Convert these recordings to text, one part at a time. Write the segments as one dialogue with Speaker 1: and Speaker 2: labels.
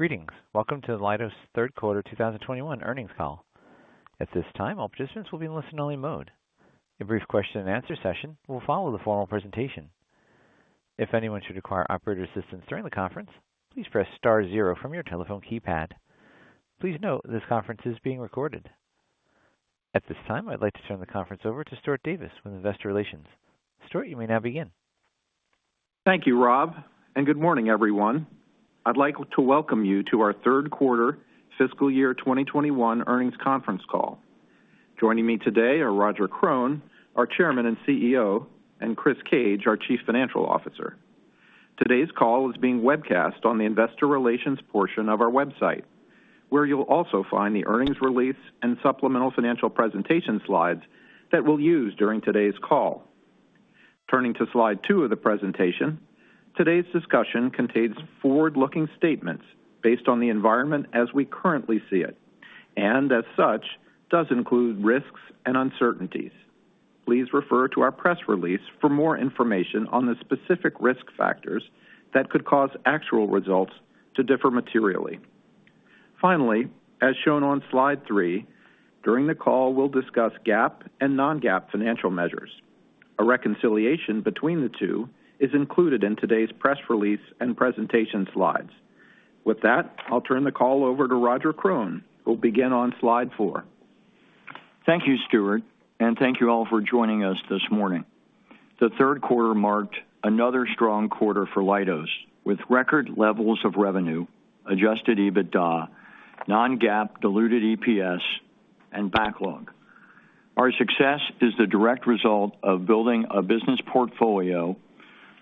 Speaker 1: Greetings. Welcome to Leidos' third quarter 2021 earnings call. At this time, all participants will be in listen-only mode. A brief question-and-answer session will follow the formal presentation. If anyone should require operator assistance during the conference, please press star zero from your telephone keypad. Please note this conference is being recorded. At this time, I'd like to turn the conference over to Stuart Davis from Investor Relations. Stuart, you may now begin.
Speaker 2: Thank you, Rob, and good morning, everyone. I'd like to welcome you to our third quarter fiscal year 2021 earnings conference call. Joining me today are Roger Krone, our Chairman and CEO, and Christopher Cage, our Chief Financial Officer. Today's call is being webcast on the investor relations portion of our website, where you'll also find the earnings release and supplemental financial presentation slides that we'll use during today's call. Turning to slide 2 of the presentation, today's discussion contains forward-looking statements based on the environment as we currently see it, and as such, does include risks and uncertainties. Please refer to our press release for more information on the specific risk factors that could cause actual results to differ materially. Finally, as shown on slide 3, during the call, we'll discuss GAAP and non-GAAP financial measures. A reconciliation between the two is included in today's press release and presentation slides. With that, I'll turn the call over to Roger Krone, who'll begin on slide 4.
Speaker 3: Thank you, Stuart, and thank you all for joining us this morning. The third quarter marked another strong quarter for Leidos with record levels of revenue, adjusted EBITDA, non-GAAP diluted EPS, and backlog. Our success is the direct result of building a business portfolio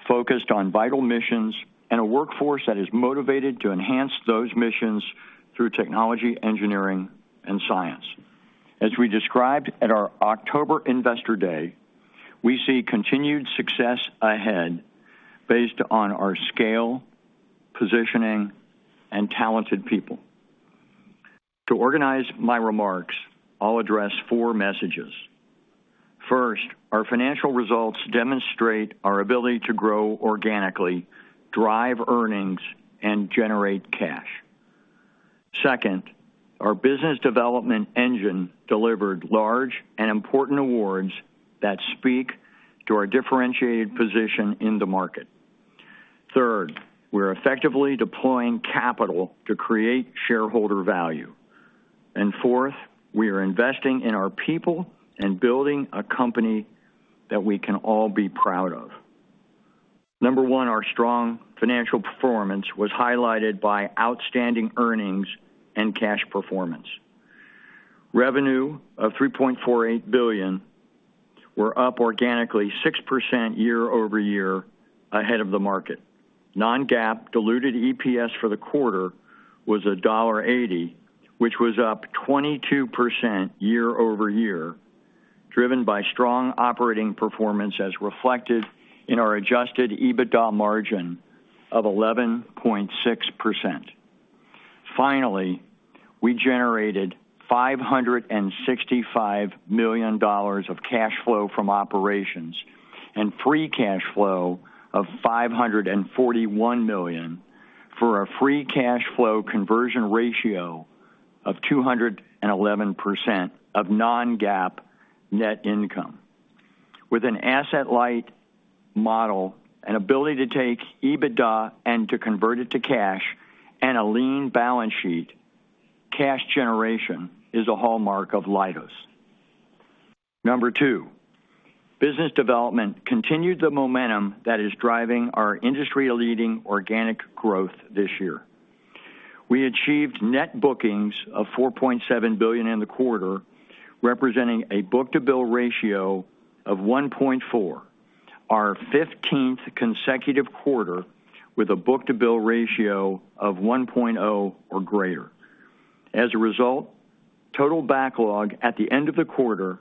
Speaker 3: focused on vital missions and a workforce that is motivated to enhance those missions through technology, engineering, and science. As we described at our October Investor Day, we see continued success ahead based on our scale, positioning, and talented people. To organize my remarks, I'll address four messages. First, our financial results demonstrate our ability to grow organically, drive earnings, and generate cash. Second, our business development engine delivered large and important awards that speak to our differentiated position in the market. Third, we're effectively deploying capital to create shareholder value. Fourth, we are investing in our people and building a company that we can all be proud of. Number one, our strong financial performance was highlighted by outstanding earnings and cash performance. Revenue of $3.48 billion were up organically 6% year-over-year ahead of the market. Non-GAAP diluted EPS for the quarter was $1.80, which was up 22% year-over-year, driven by strong operating performance as reflected in our adjusted EBITDA margin of 11.6%. Finally, we generated $565 million of cash flow from operations and free cash flow of $541 million for our free cash flow conversion ratio of 211% of non-GAAP net income. With an asset-light model, an ability to take EBITDA and to convert it to cash, and a lean balance sheet, cash generation is a hallmark of Leidos. Number two, business development continued the momentum that is driving our industry-leading organic growth this year. We achieved net bookings of $4.7 billion in the quarter, representing a book-to-bill ratio of 1.4, our 15th consecutive quarter with a book-to-bill ratio of 1.0 or greater. As a result, total backlog at the end of the quarter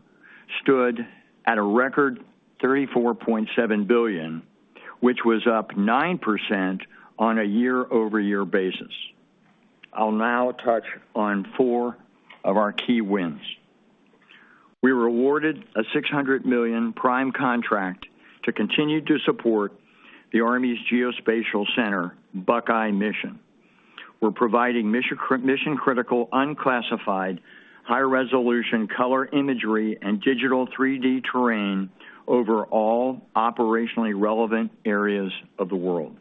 Speaker 3: stood at a record $34.7 billion, which was up 9% on a year-over-year basis. I'll now touch on four of our key wins. We were awarded a $600 million prime contract to continue to support the Army's Geospatial Center BuckEye mission. We're providing mission-critical, unclassified, high-resolution color imagery and digital 3-D terrain over all operationally relevant areas of the world.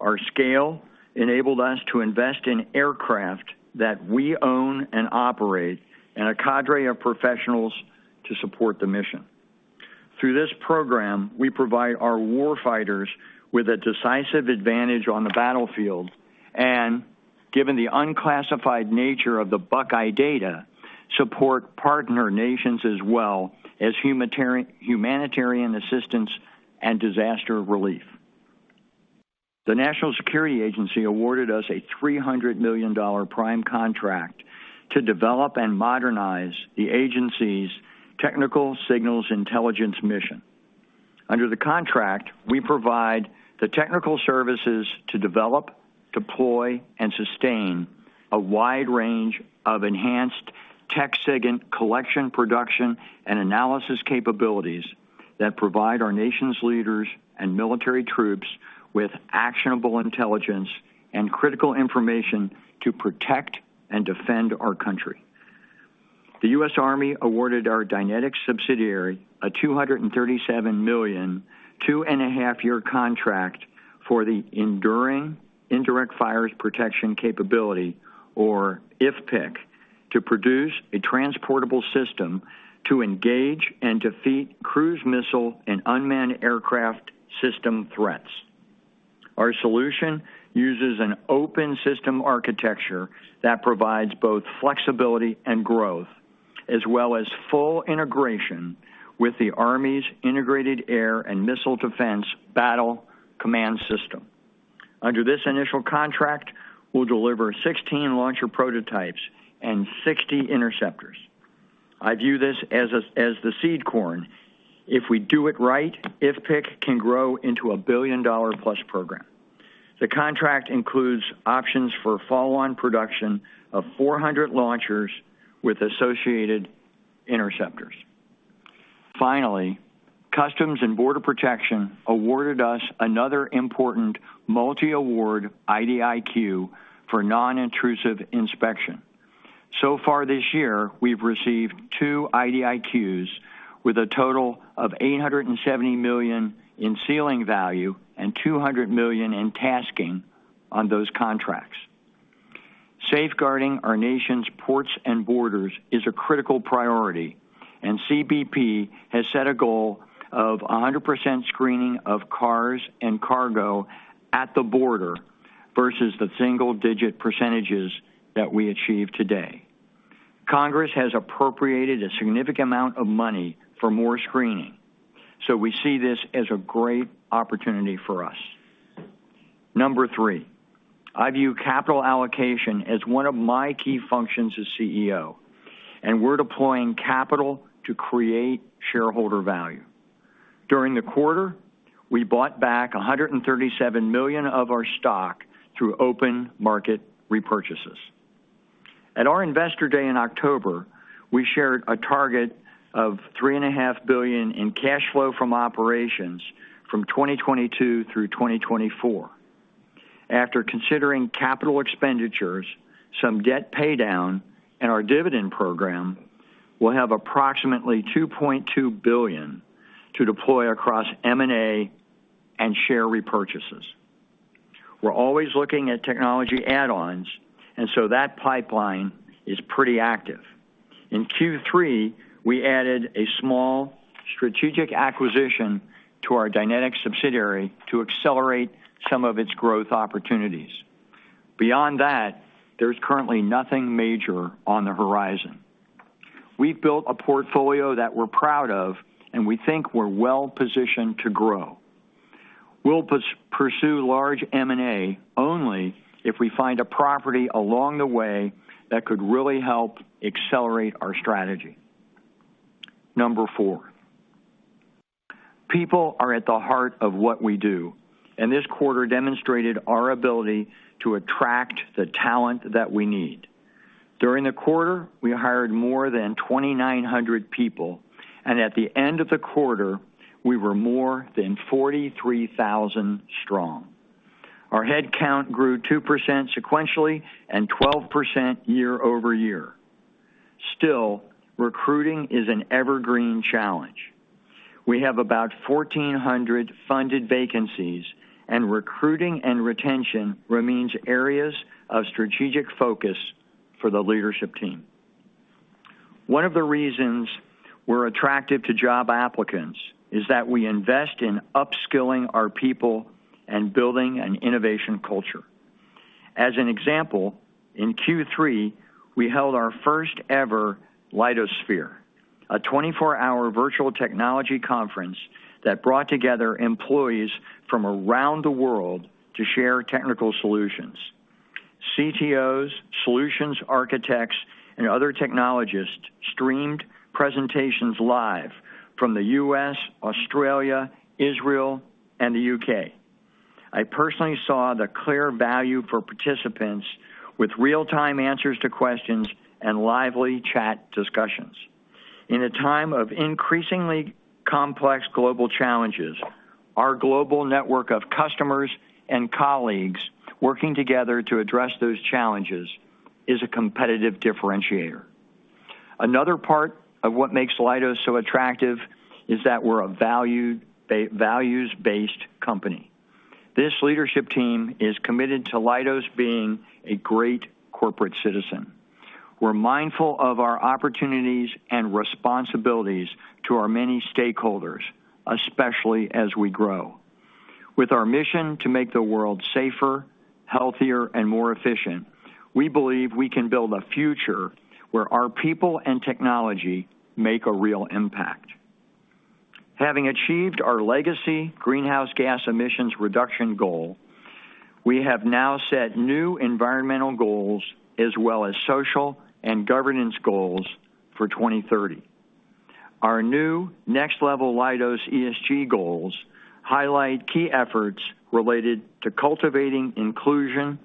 Speaker 3: Our scale enabled us to invest in aircraft that we own and operate and a cadre of professionals to support the mission. Through this program, we provide our war fighters with a decisive advantage on the battlefield and, given the unclassified nature of the BuckEye data, support partner nations as well as humanitarian assistance and disaster relief. The National Security Agency awarded us a $300 million prime contract to develop and modernize the agency's Technical Signals Intelligence mission. Under the contract, we provide the technical services to develop, deploy, and sustain a wide range of enhanced Tech SIGINT collection, production, and analysis capabilities that provide our nation's leaders and military troops with actionable intelligence and critical information to protect and defend our country. The U.S. Army awarded our Dynetics subsidiary a $237 million, 2.5-year contract for the Enduring Indirect Fires Protection Capability, or IFPC, to produce a transportable system to engage and defeat cruise missile and unmanned aircraft system threats. Our solution uses an open system architecture that provides both flexibility and growth, as well as full integration with the Army's Integrated Air and Missile Defense Battle Command System. Under this initial contract, we'll deliver 16 launcher prototypes and 60 interceptors. I view this as the seed corn. If we do it right, IFPC can grow into $1 billion+ program. The contract includes options for follow-on production of 400 launchers with associated interceptors. Finally, Customs and Border Protection awarded us another important multi-award IDIQ for non-intrusive inspection. So far this year, we've received two IDIQs with a total of $870 million in ceiling value and $200 million in tasking on those contracts. Safeguarding our nation's ports and borders is a critical priority, and CBP has set a goal of 100% screening of cars and cargo at the border versus the single-digit percentages that we achieve today. Congress has appropriated a significant amount of money for more screening, so we see this as a great opportunity for us. Number three, I view capital allocation as one of my key functions as CEO, and we're deploying capital to create shareholder value. During the quarter, we bought back $137 million of our stock through open market repurchases. At our Investor Day in October, we shared a target of $3.5 billion in cash flow from operations from 2022 through 2024. After considering capital expenditures, some debt paydown, and our dividend program, we'll have approximately $2.2 billion to deploy across M&A and share repurchases. We're always looking at technology add-ons, and so that pipeline is pretty active. In Q3, we added a small strategic acquisition to our Dynetics subsidiary to accelerate some of its growth opportunities. Beyond that, there's currently nothing major on the horizon. We've built a portfolio that we're proud of, and we think we're well-positioned to grow. We'll pursue large M&A only if we find a property along the way that could really help accelerate our strategy. Number four, people are at the heart of what we do, and this quarter demonstrated our ability to attract the talent that we need. During the quarter, we hired more than 2,900 people, and at the end of the quarter, we were more than 43,000 strong. Our headcount grew 2% sequentially and 12% year-over-year. Still, recruiting is an evergreen challenge. We have about 1,400 funded vacancies, and recruiting and retention remains areas of strategic focus for the leadership team. One of the reasons we're attractive to job applicants is that we invest in upskilling our people and building an innovation culture. As an example, in Q3, we held our first-ever Leidos Sphere, a 24-hour virtual technology conference that brought together employees from around the world to share technical solutions. CTOs, solutions architects, and other technologists streamed presentations live from the U.S., Australia, Israel, and the U.K. I personally saw the clear value for participants with real-time answers to questions and lively chat discussions. In a time of increasingly complex global challenges, our global network of customers and colleagues working together to address those challenges is a competitive differentiator. Another part of what makes Leidos so attractive is that we're a values-based company. This leadership team is committed to Leidos being a great corporate citizen. We're mindful of our opportunities and responsibilities to our many stakeholders, especially as we grow. With our mission to make the world safer, healthier, and more efficient, we believe we can build a future where our people and technology make a real impact. Having achieved our legacy greenhouse gas emissions reduction goal, we have now set new environmental goals as well as social and governance goals for 2030. Our new next level Leidos ESG goals highlight key efforts related to cultivating inclusion,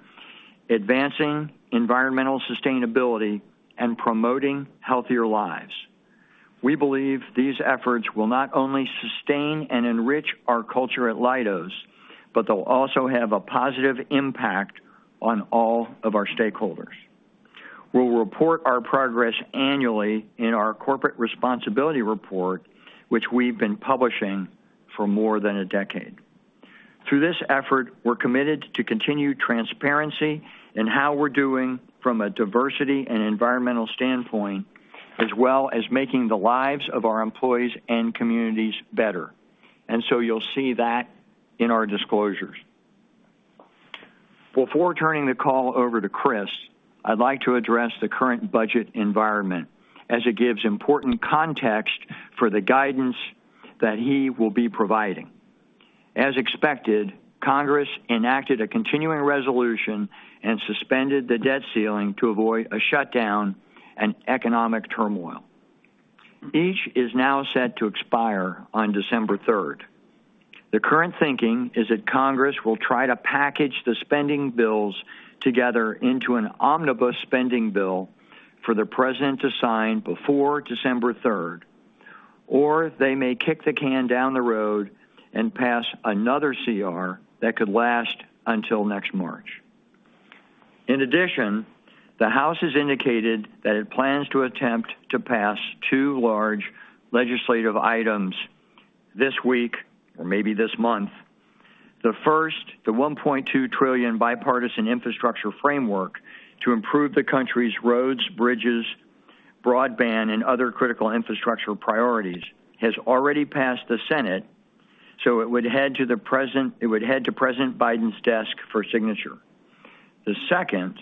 Speaker 3: advancing environmental sustainability, and promoting healthier lives. We believe these efforts will not only sustain and enrich our culture at Leidos, but they'll also have a positive impact on all of our stakeholders. We'll report our progress annually in our corporate responsibility report, which we've been publishing for more than a decade. Through this effort, we're committed to continued transparency in how we're doing from a diversity and environmental standpoint, as well as making the lives of our employees and communities better. You'll see that in our disclosures. Before turning the call over to Chris, I'd like to address the current budget environment as it gives important context for the guidance that he will be providing. As expected, Congress enacted a continuing resolution and suspended the debt ceiling to avoid a shutdown and economic turmoil. Each is now set to expire on December 3rd. The current thinking is that Congress will try to package the spending bills together into an omnibus spending bill for the President to sign before December 3rd, or they may kick the can down the road and pass another CR that could last until next March. In addition, the House has indicated that it plans to attempt to pass two large legislative items this week or maybe this month. The first, the $1.2 trillion Bipartisan Infrastructure Framework to improve the country's roads, bridges, broadband, and other critical infrastructure priorities, has already passed the Senate, so it would head to the President, it would head to President Biden's desk for signature. The second,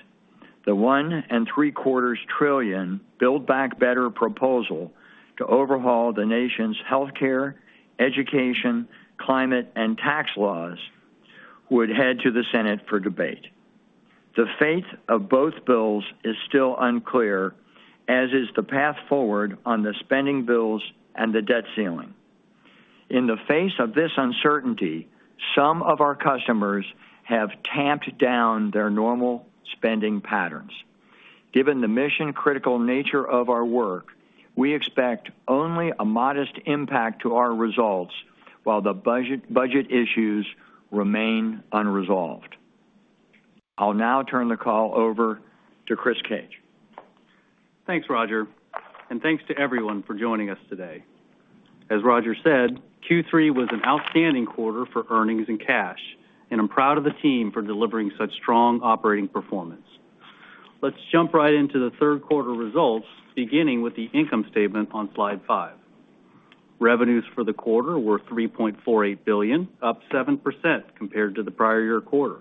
Speaker 3: the $1.75 trillion Build Back Better proposal to overhaul the nation's healthcare, education, climate, and tax laws, would head to the Senate for debate. The fate of both bills is still unclear, as is the path forward on the spending bills and the debt ceiling. In the face of this uncertainty, some of our customers have tamped down their normal spending patterns. Given the mission-critical nature of our work, we expect only a modest impact to our results while the budget issues remain unresolved. I'll now turn the call over to Chris Cage.
Speaker 4: Thanks, Roger, and thanks to everyone for joining us today. As Roger said, Q3 was an outstanding quarter for earnings and cash, and I'm proud of the team for delivering such strong operating performance. Let's jump right into the third quarter results, beginning with the income statement on slide 5. Revenues for the quarter were $3.48 billion, up 7% compared to the prior year quarter.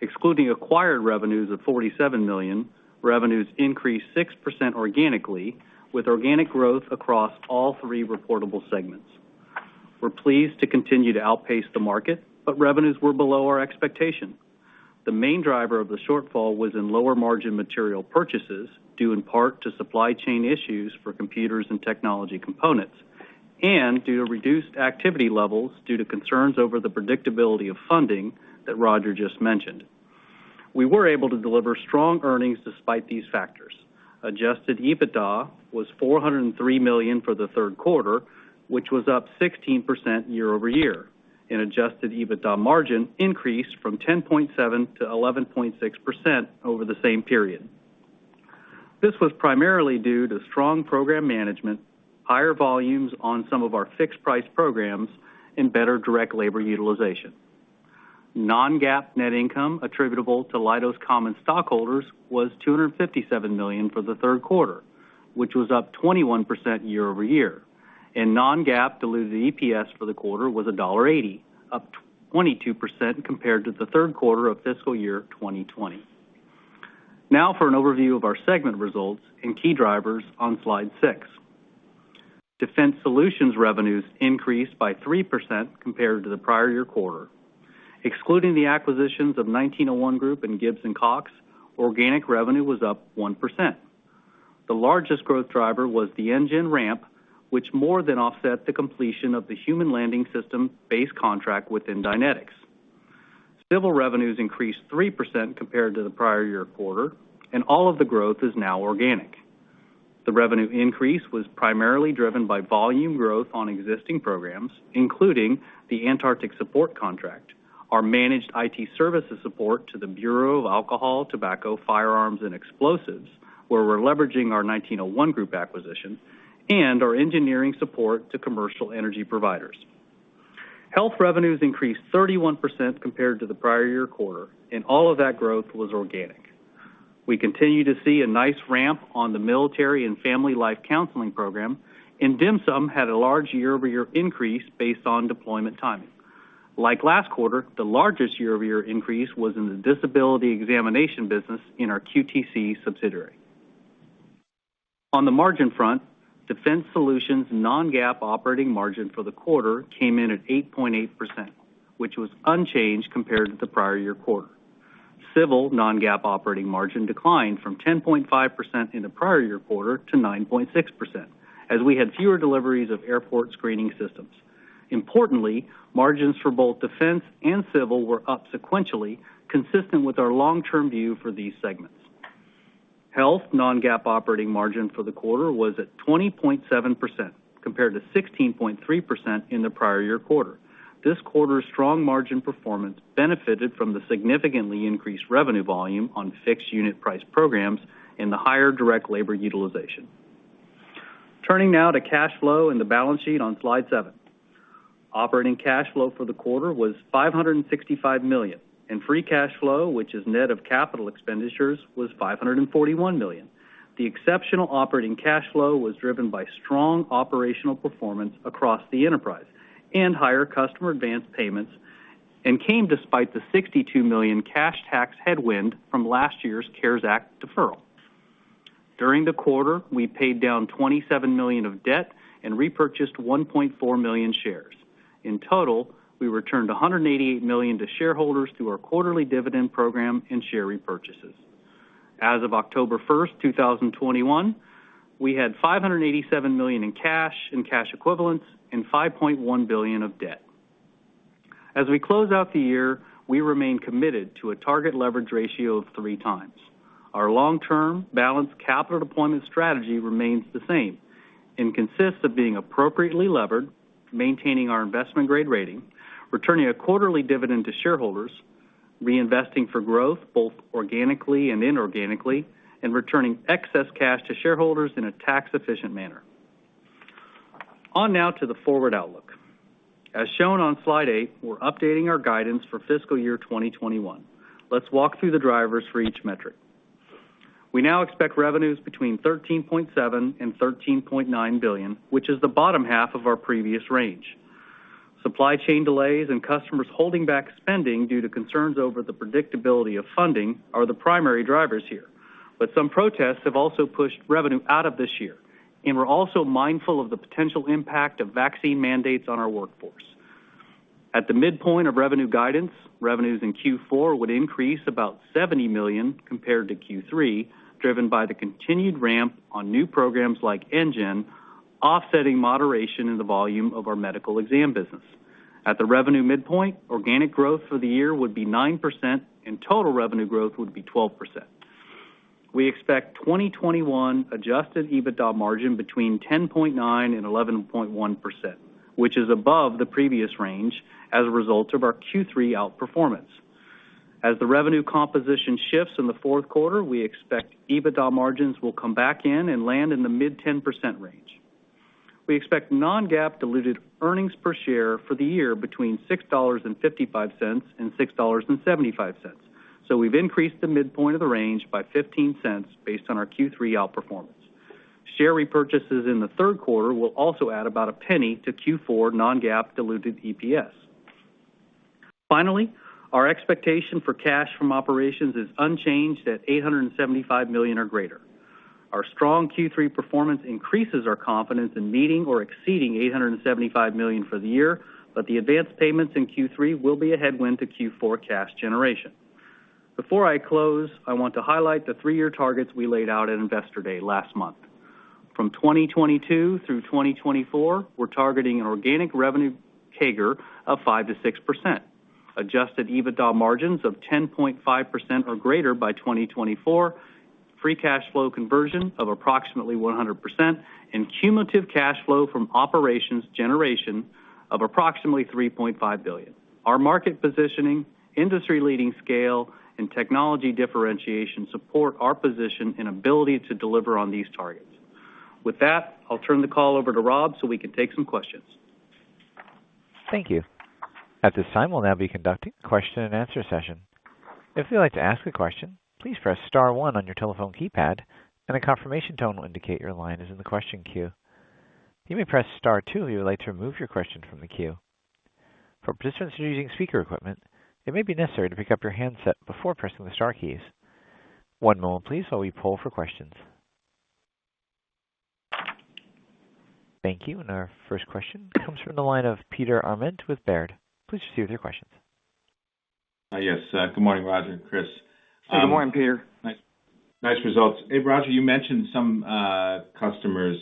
Speaker 4: Excluding acquired revenues of $47 million, revenues increased 6% organically, with organic growth across all three reportable segments. We're pleased to continue to outpace the market, but revenues were below our expectation. The main driver of the shortfall was in lower margin material purchases, due in part to supply chain issues for computers and technology components, and due to reduced activity levels due to concerns over the predictability of funding that Roger just mentioned. We were able to deliver strong earnings despite these factors. Adjusted EBITDA was $403 million for the third quarter, which was up 16% year-over-year, and adjusted EBITDA margin increased from 10.7%-11.6% over the same period. This was primarily due to strong program management, higher volumes on some of our fixed-price programs, and better direct labor utilization. non-GAAP net income attributable to Leidos common stockholders was $257 million for the third quarter, which was up 21% year-over-year, and non-GAAP diluted EPS for the quarter was $1.80, up 22% compared to the third quarter of fiscal year 2020. Now for an overview of our segment results and key drivers on slide 6. Defense Solutions revenues increased by 3% compared to the prior year quarter. Excluding the acquisitions of 1901 Group and Gibbs & Cox, organic revenue was up 1%. The largest growth driver was the NGEN ramp, which more than offset the completion of the Human Landing System base contract within Dynetics. Civil revenues increased 3% compared to the prior-year quarter, and all of the growth is now organic. The revenue increase was primarily driven by volume growth on existing programs, including the Antarctic Support Contract, our managed IT services support to the Bureau of Alcohol, Tobacco, Firearms, and Explosives, where we're leveraging our 1901 Group acquisition and our engineering support to commercial energy providers. Health revenues increased 31% compared to the prior-year quarter, and all of that growth was organic. We continue to see a nice ramp on the Military and Family Life Counseling program, and DHMSM had a large year-over-year increase based on deployment timing. Like last quarter, the largest year-over-year increase was in the disability examination business in our QTC subsidiary. On the margin front, Defense Solutions non-GAAP operating margin for the quarter came in at 8.8%, which was unchanged compared to the prior year quarter. Civil non-GAAP operating margin declined from 10.5% in the prior year quarter to 9.6%, as we had fewer deliveries of airport screening systems. Importantly, margins for both Defense and Civil were up sequentially, consistent with our long-term view for these segments. Health non-GAAP operating margin for the quarter was at 20.7% compared to 16.3% in the prior year quarter. This quarter's strong margin performance benefited from the significantly increased revenue volume on fixed unit price programs and the higher direct labor utilization. Turning now to cash flow and the balance sheet on slide 7. Operating cash flow for the quarter was $565 million, and free cash flow, which is net of capital expenditures, was $541 million. The exceptional operating cash flow was driven by strong operational performance across the enterprise and higher customer advanced payments, and came despite the $62 million cash tax headwind from last year's CARES Act deferral. During the quarter, we paid down $27 million of debt and repurchased 1.4 million shares. In total, we returned $188 million to shareholders through our quarterly dividend program and share repurchases. As of October 1st, 2021, we had $587 million in cash and cash equivalents and $5.1 billion of debt. As we close out the year, we remain committed to a target leverage ratio of 3x. Our long-term balanced capital deployment strategy remains the same and consists of being appropriately levered, maintaining our investment grade rating, returning a quarterly dividend to shareholders, reinvesting for growth, both organically and inorganically, and returning excess cash to shareholders in a tax-efficient manner. On now to the forward outlook. As shown on slide 8, we're updating our guidance for fiscal year 2021. Let's walk through the drivers for each metric. We now expect revenues between $13.7 billion and $13.9 billion, which is the bottom half of our previous range. Supply chain delays and customers holding back spending due to concerns over the predictability of funding are the primary drivers here. Some protests have also pushed revenue out of this year, and we're also mindful of the potential impact of vaccine mandates on our workforce. At the midpoint of revenue guidance, revenues in Q4 would increase about $70 million compared to Q3, driven by the continued ramp on new programs like NGEN, offsetting moderation in the volume of our Medical Exam business. At the revenue midpoint, organic growth for the year would be 9%, and total revenue growth would be 12%. We expect 2021 adjusted EBITDA margin between 10.9% and 11.1%, which is above the previous range as a result of our Q3 outperformance. As the revenue composition shifts in the fourth quarter, we expect EBITDA margins will come back in and land in the mid-10% range. We expect non-GAAP diluted earnings per share for the year between $6.55 and $6.75, so we've increased the midpoint of the range by $0.15 based on our Q3 outperformance. Share repurchases in the third quarter will also add about $0.01 to Q4 non-GAAP diluted EPS. Finally, our expectation for cash from operations is unchanged at $875 million or greater. Our strong Q3 performance increases our confidence in meeting or exceeding $875 million for the year, but the advanced payments in Q3 will be a headwind to Q4 cash generation. Before I close, I want to highlight the three-year targets we laid out at Investor Day last month. From 2022 through 2024, we're targeting an organic revenue CAGR of 5%-6%, adjusted EBITDA margins of 10.5% or greater by 2024, free cash flow conversion of approximately 100%, and cumulative cash flow from operations generation of approximately $3.5 billion. Our market positioning, industry-leading scale, and technology differentiation support our position and ability to deliver on these targets. With that, I'll turn the call over to Rob so we can take some questions.
Speaker 1: Thank you. At this time, we'll now be conducting a question-and-answer session. If you'd like to ask a question, please press star one on your telephone keypad and a confirmation tone will indicate your line is in the question queue. You may press star two if you would like to remove your question from the queue. For participants who are using speaker equipment, it may be necessary to pick up your handset before pressing the star keys. One moment please while we poll for questions. Thank you. Our first question comes from the line of Peter Arment with Baird. Please proceed with your questions.
Speaker 5: Good morning, Roger and Chris.
Speaker 3: Good morning, Peter.
Speaker 5: Nice results. Hey, Roger, you mentioned some customers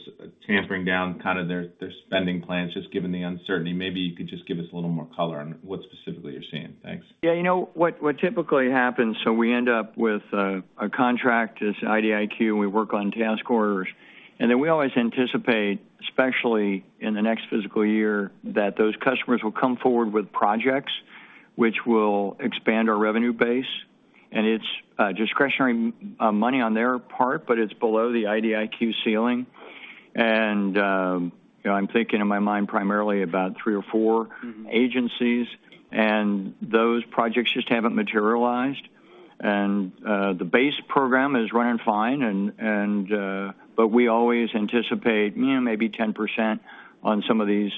Speaker 5: tempering down kind of their spending plans, just given the uncertainty. Maybe you could just give us a little more color on what specifically you're seeing? Thanks.
Speaker 3: Yeah, you know what typically happens, so we end up with a contract as IDIQ, and we work on task orders, and then we always anticipate, especially in the next fiscal year, that those customers will come forward with projects which will expand our revenue base, and it's discretionary money on their part, but it's below the IDIQ ceiling. You know, I'm thinking in my mind primarily about three or four agencies, those projects just haven't materialized. The base program is running fine and but we always anticipate, you know, maybe 10% on some of these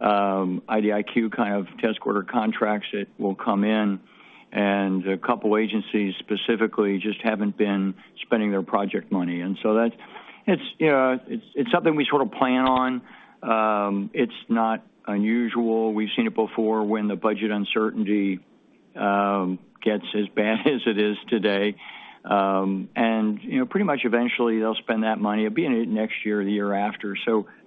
Speaker 3: IDIQ kind of task order contracts that will come in. A couple agencies specifically just haven't been spending their project money. That's, you know, it's something we sort of plan on. It's not unusual. We've seen it before when the budget uncertainty gets as bad as it is today. You know, pretty much eventually they'll spend that money. It'll be next year or the year after.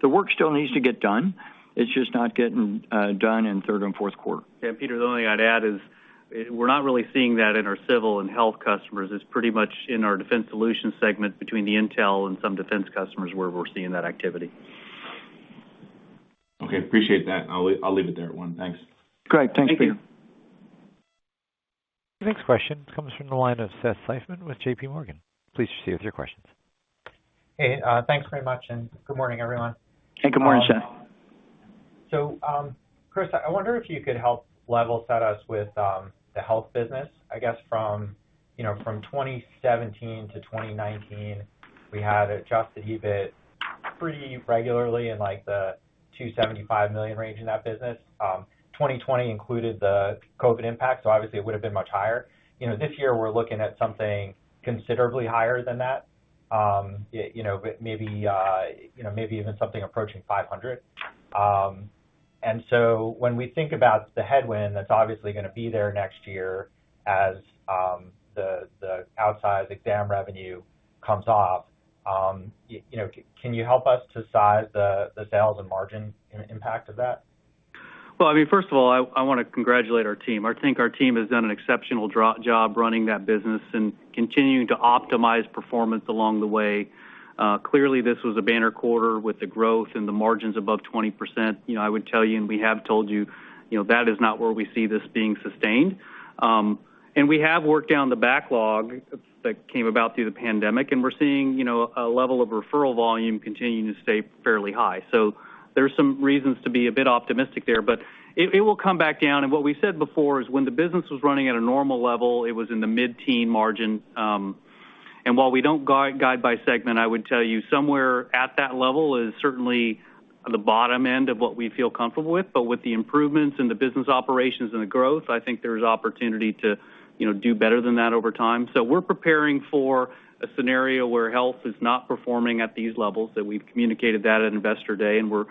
Speaker 3: The work still needs to get done. It's just not getting done in third and fourth quarter.
Speaker 4: Yeah, Peter, the only thing I'd add is we're not really seeing that in our Civil and Health customers. It's pretty much in our Defense Solutions segment between the intel and some defense customers where we're seeing that activity.
Speaker 5: Okay, appreciate that. I'll leave it there at one. Thanks.
Speaker 3: Great. Thanks, Peter.
Speaker 4: Thank you.
Speaker 1: The next question comes from the line of Seth Seifman with JPMorgan. Please proceed with your questions.
Speaker 6: Hey, thanks very much, and good morning, everyone.
Speaker 4: Good morning, Seth.
Speaker 6: Chris, I wonder if you could help level set us with the Health business. I guess from, you know, from 2017 to 2019, we had adjusted EBIT pretty regularly in, like, the $275 million range in that business. 2020 included the COVID impact, so obviously it would have been much higher. You know, this year we're looking at something considerably higher than that. You know, but maybe you know, maybe even something approaching $500 million. When we think about the headwind that's obviously gonna be there next year as the outsized exam revenue comes off, you know, can you help us to size the sales and margin impact of that?
Speaker 4: Well, I mean, first of all, I wanna congratulate our team. I think our team has done an exceptional job running that business and continuing to optimize performance along the way. Clearly this was a banner quarter with the growth and the margins above 20%. You know, I would tell you, and we have told you know, that is not where we see this being sustained. We have worked down the backlog that came about through the pandemic, and we're seeing, you know, a level of referral volume continuing to stay fairly high. There's some reasons to be a bit optimistic there, but it will come back down. What we said before is when the business was running at a normal level, it was in the mid-teen margin. While we don't guide by segment, I would tell you somewhere at that level is certainly the bottom end of what we feel comfortable with. With the improvements in the business operations and the growth, I think there's opportunity to, you know, do better than that over time. We're preparing for a scenario where Health is not performing at these levels that we've communicated at Investor Day and we're,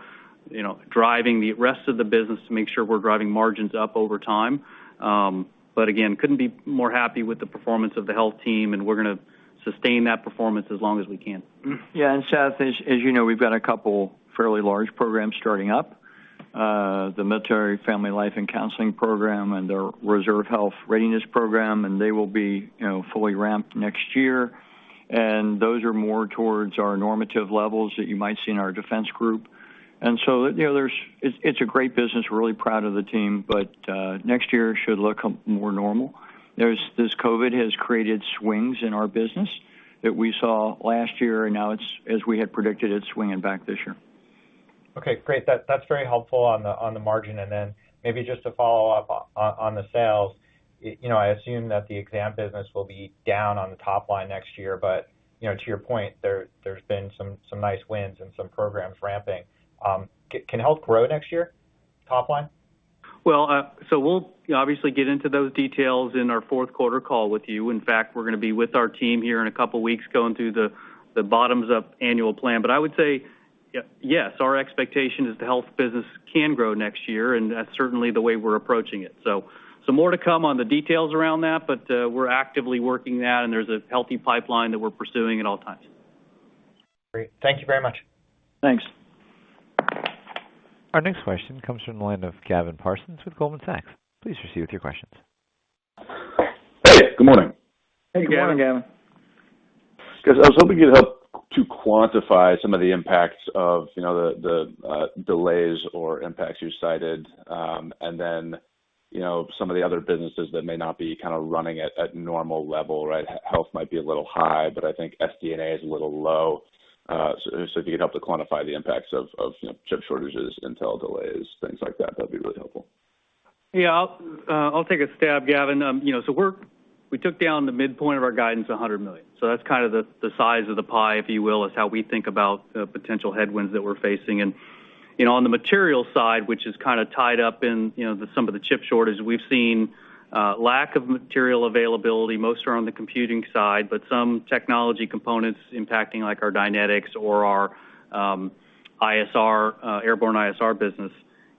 Speaker 4: you know, driving the rest of the business to make sure we're driving margins up over time. But again, I couldn't be more happy with the performance of the Health team, and we're gonna sustain that performance as long as we can.
Speaker 3: Yeah. Seth, as you know, we've got a couple fairly large programs starting up. The Military and Family Life Counseling program and the Reserve Health Readiness program, and they will be, you know, fully ramped next year. Those are more towards our normative levels that you might see in our defense group. You know, it's a great business. We're really proud of the team. Next year should look more normal. COVID has created swings in our business that we saw last year, and now it's, as we had predicted, it's swinging back this year.
Speaker 6: Okay, great. That's very helpful on the margin. Maybe just to follow up on the sales. You know, I assume that the exam business will be down on the top line next year, but, you know, to your point, there's been some nice wins and some programs ramping. Can Health grow next year? Top line?
Speaker 4: Well, we'll obviously get into those details in our fourth quarter call with you. In fact, we're gonna be with our team here in a couple weeks going through the bottoms-up annual plan. I would say yes, our expectation is the Health business can grow next year, and that's certainly the way we're approaching it. More to come on the details around that, we're actively working that and there's a healthy pipeline that we're pursuing at all times.
Speaker 6: Great, thank you very much.
Speaker 4: Thanks.
Speaker 1: Our next question comes from the line of Gavin Parsons with Goldman Sachs. Please proceed with your questions.
Speaker 7: Good morning.
Speaker 4: Good morning, Gavin.
Speaker 7: 'Cause I was hoping you'd help to quantify some of the impacts of, you know, the delays or impacts you cited. Then, you know, some of the other businesses that may not be kind of running at normal level, right? Health might be a little high, but I think SD&A is a little low. If you could help to quantify the impacts of, you know, chip shortages, Intel delays, things like that'd be really helpful.
Speaker 3: I'll take a stab, Gavin. You know, we took down the midpoint of our guidance $100 million. That's kind of the size of the pie, if you will. It's how we think about potential headwinds that we're facing. You know, on the material side, which is kind of tied up in, you know, some of the chip shortage, we've seen lack of material availability, most are on the computing side, but some technology components impacting like our Dynetics or our ISR airborne ISR business.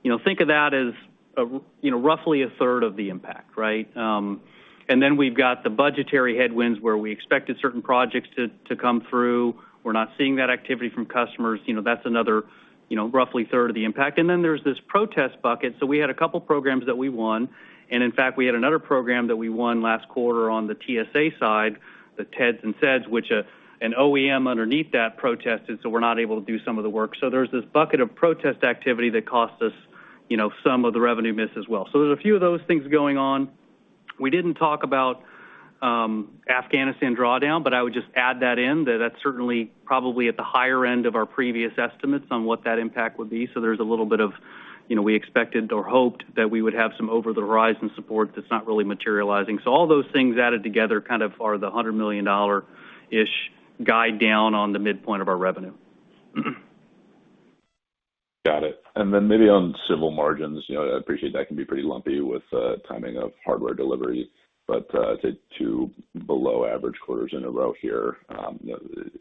Speaker 3: You know, think of that as you know, roughly a third of the impact, right? Then we've got the budgetary headwinds where we expected certain projects to come through. We're not seeing that activity from customers. You know, that's another you know, roughly third of the impact. Then there's this protest bucket. We had a couple programs that we won, and in fact, we had another program that we won last quarter on the TSA side, the TEDS and SEDS, which an OEM underneath that protested, so we're not able to do some of the work. There's this bucket of protest activity that cost us, you know, some of the revenue miss as well. There's a few of those things going on. We didn't talk about Afghanistan drawdown, but I would just add that in. That's certainly probably at the higher end of our previous estimates on what that impact would be. There's a little bit of, you know, we expected or hoped that we would have some over-the-horizon support that's not really materializing. All those things added together kind of are the $100 million-ish guide down on the midpoint of our revenue.
Speaker 7: Then maybe on Civil margins, you know, I appreciate that can be pretty lumpy with timing of hardware delivery, but I think two below average quarters in a row here,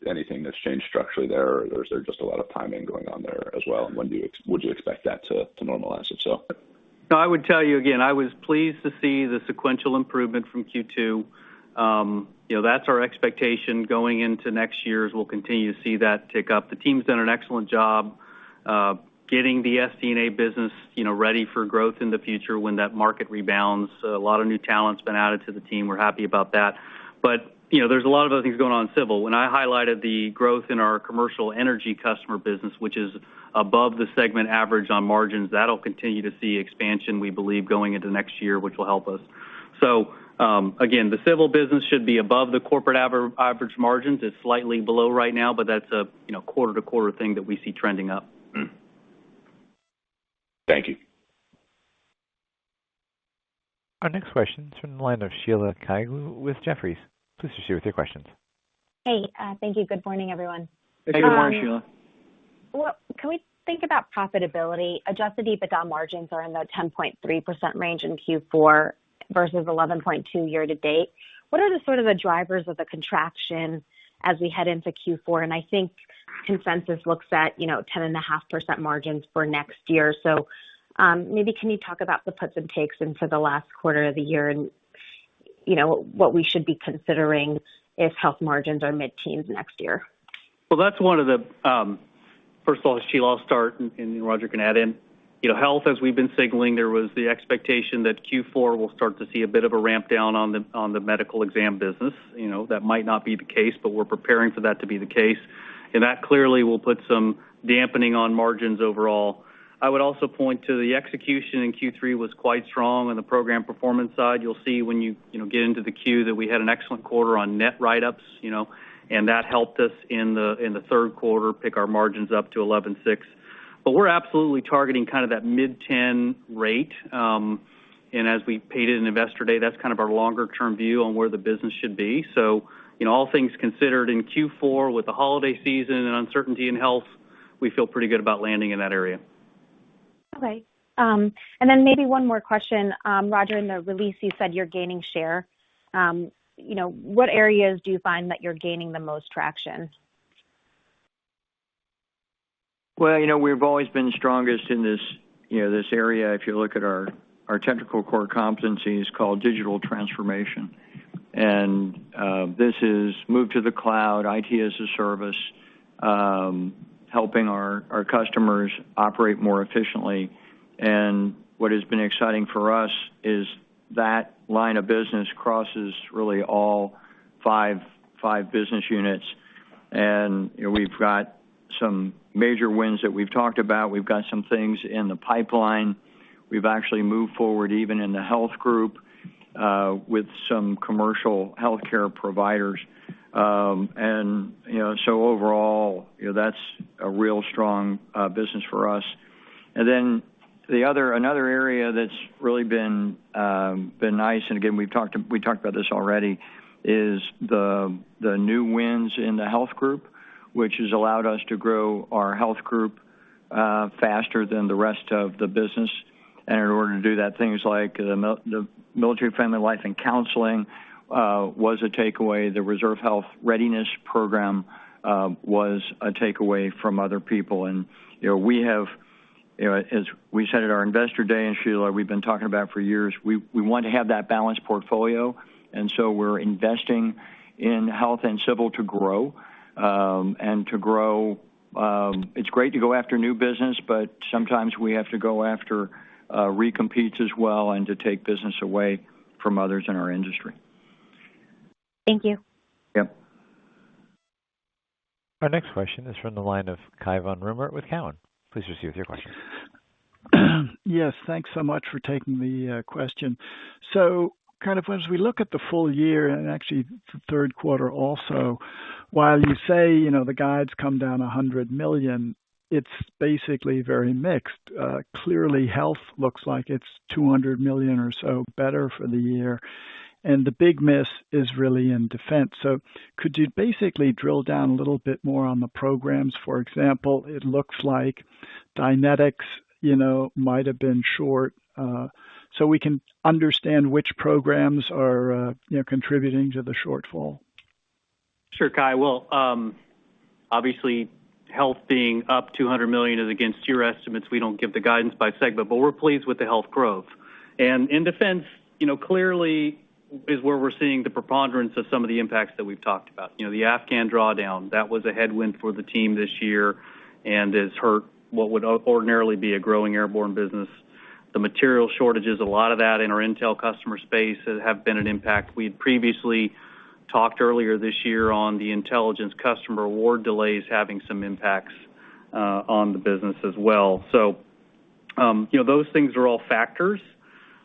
Speaker 7: anything that's changed structurally there? Or is there just a lot of timing going on there as well? Would you expect that to normalize itself?
Speaker 3: No, I would tell you again, I was pleased to see the sequential improvement from Q2. You know, that's our expectation going into next year, as we'll continue to see that tick up. The team's done an excellent job getting the SD&A business, you know, ready for growth in the future when that market rebounds. A lot of new talent's been added to the team. We're happy about that. You know, there's a lot of other things going on in Civil. When I highlighted the growth in our commercial energy customer business, which is above the segment average on margins, that'll continue to see expansion, we believe, going into next year, which will help us. Again, the Civil business should be above the corporate average margins. It's slightly below right now, but that's a, you know, quarter-to-quarter thing that we see trending up.
Speaker 7: Thank you.
Speaker 1: Our next question is from the line of Sheila Kahyaoglu with Jefferies. Please proceed with your questions.
Speaker 8: Good morning, everyone.
Speaker 4: Good morning, Sheila.
Speaker 8: Well, can we think about profitability? Adjusted EBITDA margins are in the 10.3% range in Q4 versus 11.2% year-to-date. What are the sort of drivers of the contraction as we head into Q4? I think consensus looks at, you know, 10.5% margins for next year. Maybe can you talk about the puts and takes in for the last quarter of the year and, you know, what we should be considering if Health margins are mid-teens next year?
Speaker 4: First of all, Sheila, I'll start and Roger can add in. You know, Health, as we've been signaling, there was the expectation that Q4 will start to see a bit of a ramp down on the Medical Exam business. You know, that might not be the case, but we're preparing for that to be the case. That clearly will put some dampening on margins overall. I would also point to the execution in Q3 was quite strong on the program performance side. You'll see when you get into the queue that we had an excellent quarter on net write-ups, you know, and that helped us in the third quarter pick our margins up to 11.6%. We're absolutely targeting kind of that mid-teens rate. As we paid it in Investor Day, that's kind of our longer term view on where the business should be. You know, all things considered in Q4 with the holiday season and uncertainty in Health, we feel pretty good about landing in that area.
Speaker 8: Okay, maybe one more question. Roger, in the release, you said you're gaining share. You know, what areas do you find that you're gaining the most traction?
Speaker 3: Well, you know, we've always been strongest in this, you know, this area, if you look at our technical core competencies called digital transformation. This is move to the cloud, IT-as-a-Service, helping our customers operate more efficiently. What has been exciting for us is that line of business crosses really all five business units. You know, we've got some major wins that we've talked about. We've got some things in the pipeline. We've actually moved forward, even in the health group, with some commercial healthcare providers. Overall, you know, that's a real strong business for us. Another area that's really been nice, and again, we've talked about this already, is the new wins in the health group, which has allowed us to grow our health group faster than the rest of the business. In order to do that, things like the Military and Family Life Counseling was a takeaway. The Reserve Health Readiness Program was a takeaway from other people. You know, we have you know, as we said at our Investor Day, and Sheila, we've been talking about for years, we want to have that balanced portfolio, and so we're investing in Health and Civil to grow. And to grow, it's great to go after new business, but sometimes we have to go after recompetes as well and to take business away from others in our industry.
Speaker 8: Thank you.
Speaker 3: Yep.
Speaker 1: Our next question is from the line of Cai von Rumohr with Cowen. Please proceed with your question.
Speaker 9: Yes, thanks so much for taking the question. Kind of as we look at the full year and actually the third quarter also, while you say, you know, the guides come down $100 million, it's basically very mixed. Clearly, Health looks like it's $200 million or so better for the year, and the big miss is really in Defense. Could you basically drill down a little bit more on the programs? For example, it looks like Dynetics, you know, might have been short, so we can understand which programs are, you know, contributing to the shortfall.
Speaker 4: Sure, Cai. Well, obviously, Health being up $200 million is against your estimates. We don't give the guidance by segment, but we're pleased with the Health growth. In Defense, you know, clearly is where we're seeing the preponderance of some of the impacts that we've talked about. You know, the Afghan drawdown, that was a headwind for the team this year and has hurt what would ordinarily be a growing airborne business. The material shortages, a lot of that in our intel customer space have been an impact. We had previously talked earlier this year on the intelligence customer award delays having some impacts on the business as well. You know, those things are all factors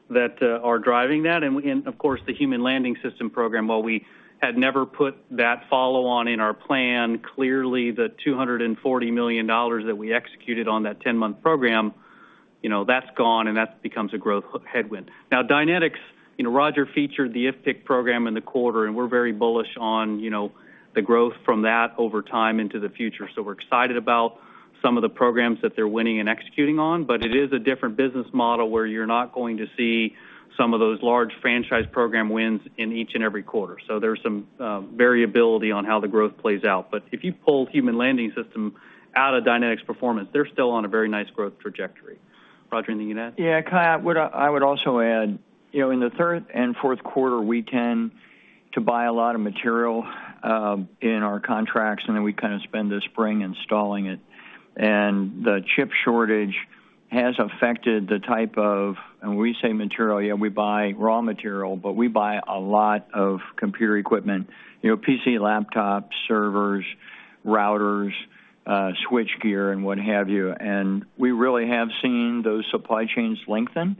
Speaker 4: that are driving that. Of course, the Human Landing System program, while we had never put that follow-on in our plan, clearly the $240 million that we executed on that 10-month program. You know, that's gone and that becomes a growth headwind. Now, Dynetics, you know, Roger featured the IFPC program in the quarter, and we're very bullish on, you know, the growth from that over time into the future. We're excited about some of the programs that they're winning and executing on. But it is a different business model, where you're not going to see some of those large franchise program wins in each and every quarter. There's some variability on how the growth plays out. But if you pull Human Landing System out of Dynetics' performance, they're still on a very nice growth trajectory. Roger, anything to add?
Speaker 3: Yeah. I would also add, you know, in the third and fourth quarter, we tend to buy a lot of material in our contracts, and then we kind of spend the spring installing it. The chip shortage has affected the type of material. When we say material, yeah, we buy raw material, but we buy a lot of computer equipment, you know, PC, laptops, servers, routers, switchgear, and what have you. We really have seen those supply chains lengthen.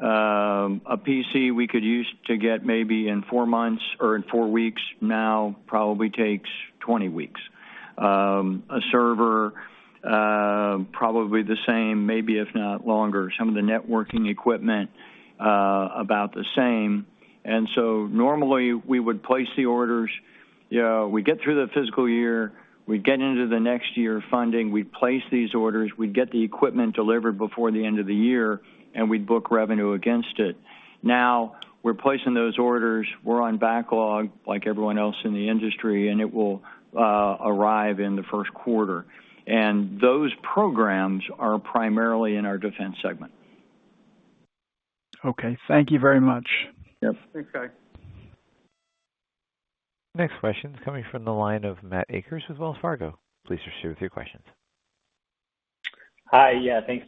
Speaker 3: A PC we could use to get maybe in four months or in four weeks, now probably takes 20 weeks. A server probably the same, maybe if not longer. Some of the networking equipment about the same. Normally, we would place the orders. You know, we get through the fiscal year, we get into the next year of funding, we place these orders, we get the equipment delivered before the end of the year, and we book revenue against it. Now, we're placing those orders, we're on backlog like everyone else in the industry, and it will arrive in the first quarter. Those programs are primarily in our Defense segment.
Speaker 9: Okay, thank you very much.
Speaker 3: Yep.
Speaker 4: Thanks, Cai.
Speaker 1: Next question is coming from the line of Matthew Akers with Wells Fargo. Please proceed with your questions.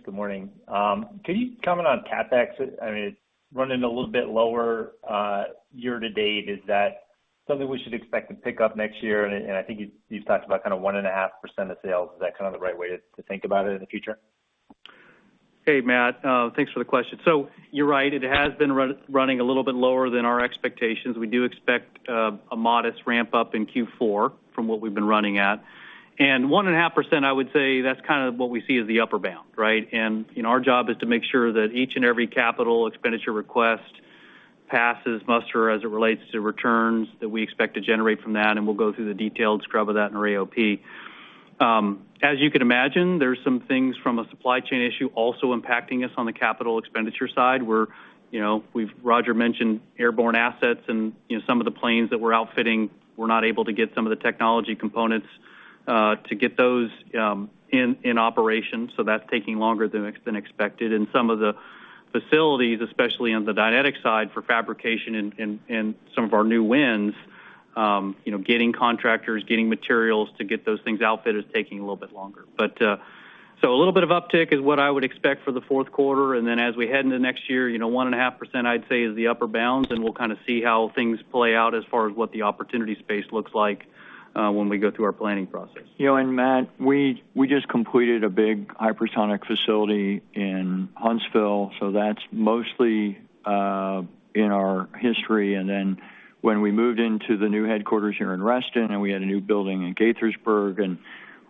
Speaker 10: Good morning. Can you comment on CapEx? I mean, it's running a little bit lower year-to-date. Is that something we should expect to pick up next year? I think you've talked about kind of 1.5% of sales. Is that kind of the right way to think about it in the future?
Speaker 4: Hey, Matt, thanks for the question. You're right, it has been running a little bit lower than our expectations. We do expect a modest ramp-up in Q4 from what we've been running at. 1.5%, I would say that's kind of what we see as the upper bound, right? You know, our job is to make sure that each and every capital expenditure request passes muster as it relates to returns that we expect to generate from that, and we'll go through the detailed scrub of that in our AOP. As you can imagine, there's some things from a supply chain issue also impacting us on the capital expenditure side, where, you know, Roger mentioned airborne assets and, you know, some of the planes that we're outfitting, we're not able to get some of the technology components to get those in operation, so that's taking longer than expected. In some of the facilities, especially on the Dynetics side for fabrication and some of our new wins, you know, getting contractors, getting materials to get those things outfitted is taking a little bit longer. A little bit of uptick is what I would expect for the fourth quarter. As we head into next year, you know, 1.5% I'd say is the upper bounds, and we'll kind of see how things play out as far as what the opportunity space looks like when we go through our planning process.
Speaker 3: You know, Matt, we just completed a big hypersonic facility in Huntsville, so that's mostly in our history. Then when we moved into the new headquarters here in Reston and we had a new building in Gaithersburg and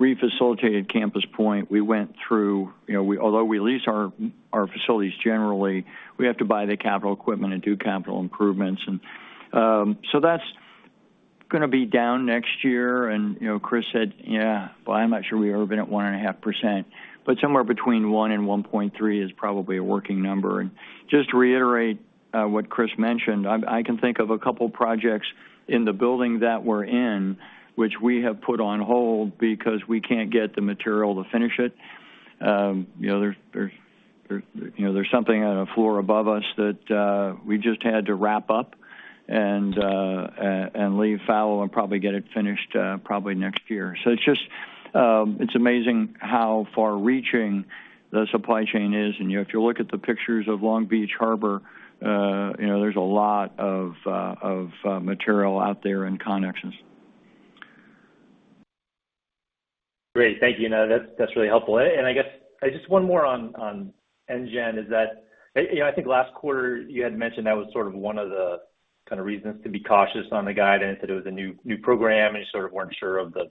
Speaker 3: refacilitated Campus Point, we went through. You know, although we lease our facilities generally, we have to buy the capital equipment and do capital improvements. That's gonna be down next year. You know, Chris said, "Yeah, but I'm not sure we've ever been at 1.5%." Somewhere between 1% and 1.3% is probably a working number. Just to reiterate what Chris mentioned, I can think of a couple projects in the building that we're in which we have put on hold because we can't get the material to finish it. You know, there's something on a floor above us that we just had to wrap up and leave fallow and probably get it finished probably next year. It's just amazing how far-reaching the supply chain is. If you look at the pictures of Long Beach Harbor, you know, there's a lot of material out there and connections.
Speaker 10: Great, thank you. That's really helpful. I guess I just have one more on NGEN. Is that, you know, I think last quarter you had mentioned that was sort of one of the kind of reasons to be cautious on the guidance, that it was a new program and you sort of weren't sure of the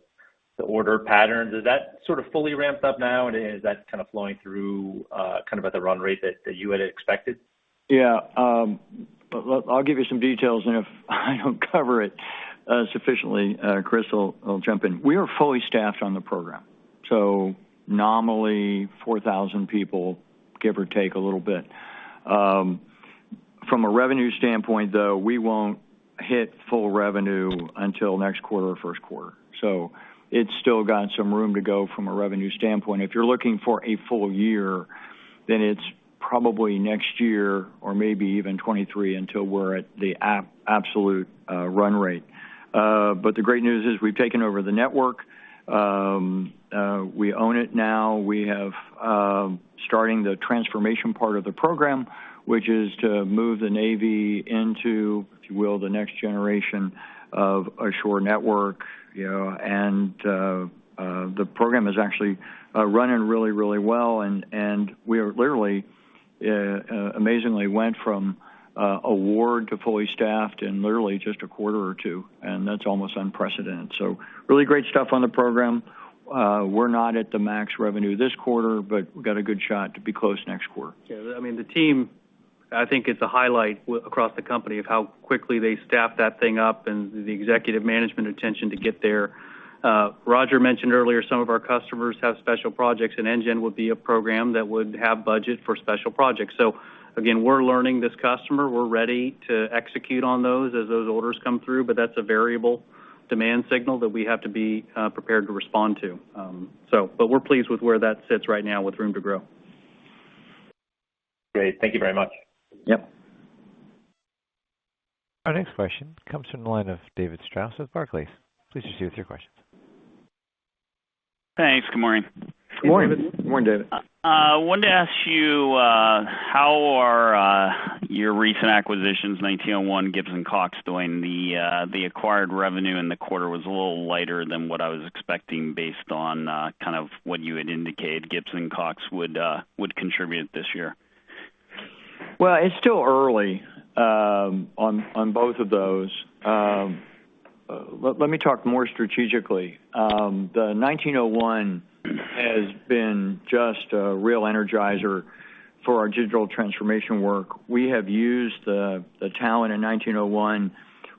Speaker 10: order patterns. Is that sort of fully ramped up now, and is that kind of flowing through kind of at the run rate that you had expected?
Speaker 3: Yeah. I'll give you some details, and if I don't cover it sufficiently, Chris will jump in. We are fully staffed on the program, so nominally 4,000 people, give or take a little bit. From a revenue standpoint, though, we won't hit full revenue until next quarter or first quarter. It's still got some room to go from a revenue standpoint. If you're looking for a full year, then it's probably next year or maybe even 2023 until we're at the absolute run rate. The great news is we've taken over the network. We own it now. We have starting the transformation part of the program, which is to move the Navy into, if you will, the next generation of a shore network, you know. The program is actually running really well. We are literally amazingly went from award to fully staffed in literally just a quarter or two, and that's almost unprecedented. Really great stuff on the program. We're not at the max revenue this quarter, but we've got a good shot to be close next quarter.
Speaker 4: Yeah. I mean, the team, I think it's a highlight across the company of how quickly they staffed that thing up and the executive management attention to get there. Roger mentioned earlier, some of our customers have special projects, and NGEN would be a program that would have budget for special projects. We're learning this customer. We're ready to execute on those as those orders come through, but that's a variable demand signal that we have to be prepared to respond to. We're pleased with where that sits right now with room to grow.
Speaker 10: Great, thank you very much.
Speaker 4: Yep.
Speaker 1: Our next question comes from the line of David Strauss with Barclays. Please proceed with your questions.
Speaker 11: Thanks, good morning.
Speaker 3: Good morning.
Speaker 4: Good morning, David.
Speaker 11: Wanted to ask you how are your recent acquisitions, 1901, Gibbs & Cox doing? The acquired revenue in the quarter was a little lighter than what I was expecting based on kind of what you had indicated Gibbs & Cox would contribute this year.
Speaker 3: Well, it's still early on both of those. Let me talk more strategically. The 1901 has been just a real energizer for our digital transformation work. We have used the talent in 1901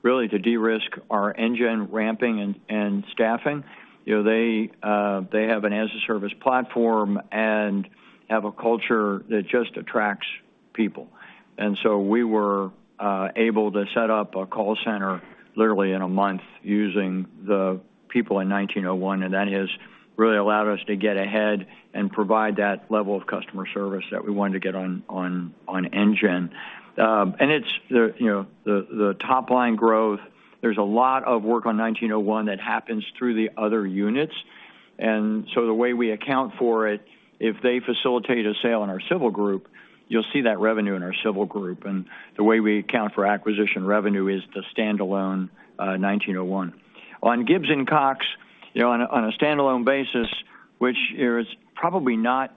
Speaker 3: really to de-risk our NGEN ramping and staffing. You know, they have an as-a-Service platform and have a culture that just attracts people. We were able to set up a call center literally in a month using the people in 1901, and that has really allowed us to get ahead and provide that level of customer service that we wanted to get on NGEN. It's the top line growth. You know, there's a lot of work on 1901 that happens through the other units. The way we account for it, if they facilitate a sale in our civil group, you'll see that revenue in our civil group. The way we account for acquisition revenue is the standalone, 1901. On Gibbs & Cox, on a standalone basis, which is probably not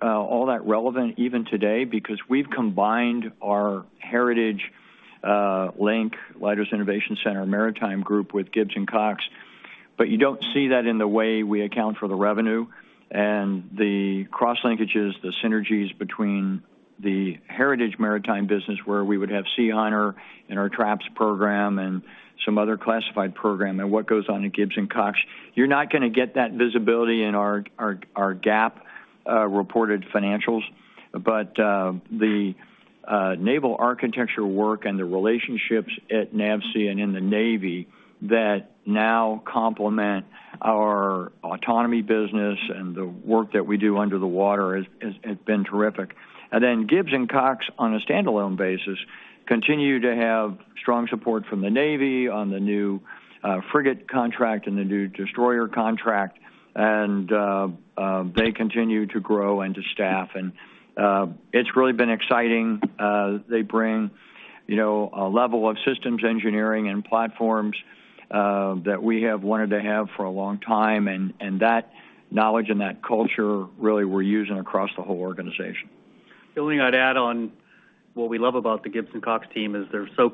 Speaker 3: all that relevant even today because we've combined our heritage Leidos Innovations Center Maritime Group with Gibbs & Cox. You don't see that in the way we account for the revenue and the cross linkages, the synergies between the heritage maritime business, where we would have Sea Hunter and our TRAPS program and some other classified program, and what goes on at Gibbs & Cox. You're not gonna get that visibility in our GAAP reported financials. The naval architecture work and the relationships at NAVSEA and in the Navy that now complement our autonomy business and the work that we do under the water has been terrific. Gibbs & Cox, on a standalone basis, continue to have strong support from the Navy on the new frigate contract and the new destroyer contract. They continue to grow and to staff. It's really been exciting. They bring, you know, a level of systems engineering and platforms that we have wanted to have for a long time, and that knowledge and that culture really we're using across the whole organization.
Speaker 4: The only thing I'd add on what we love about the Gibbs & Cox team is they're so,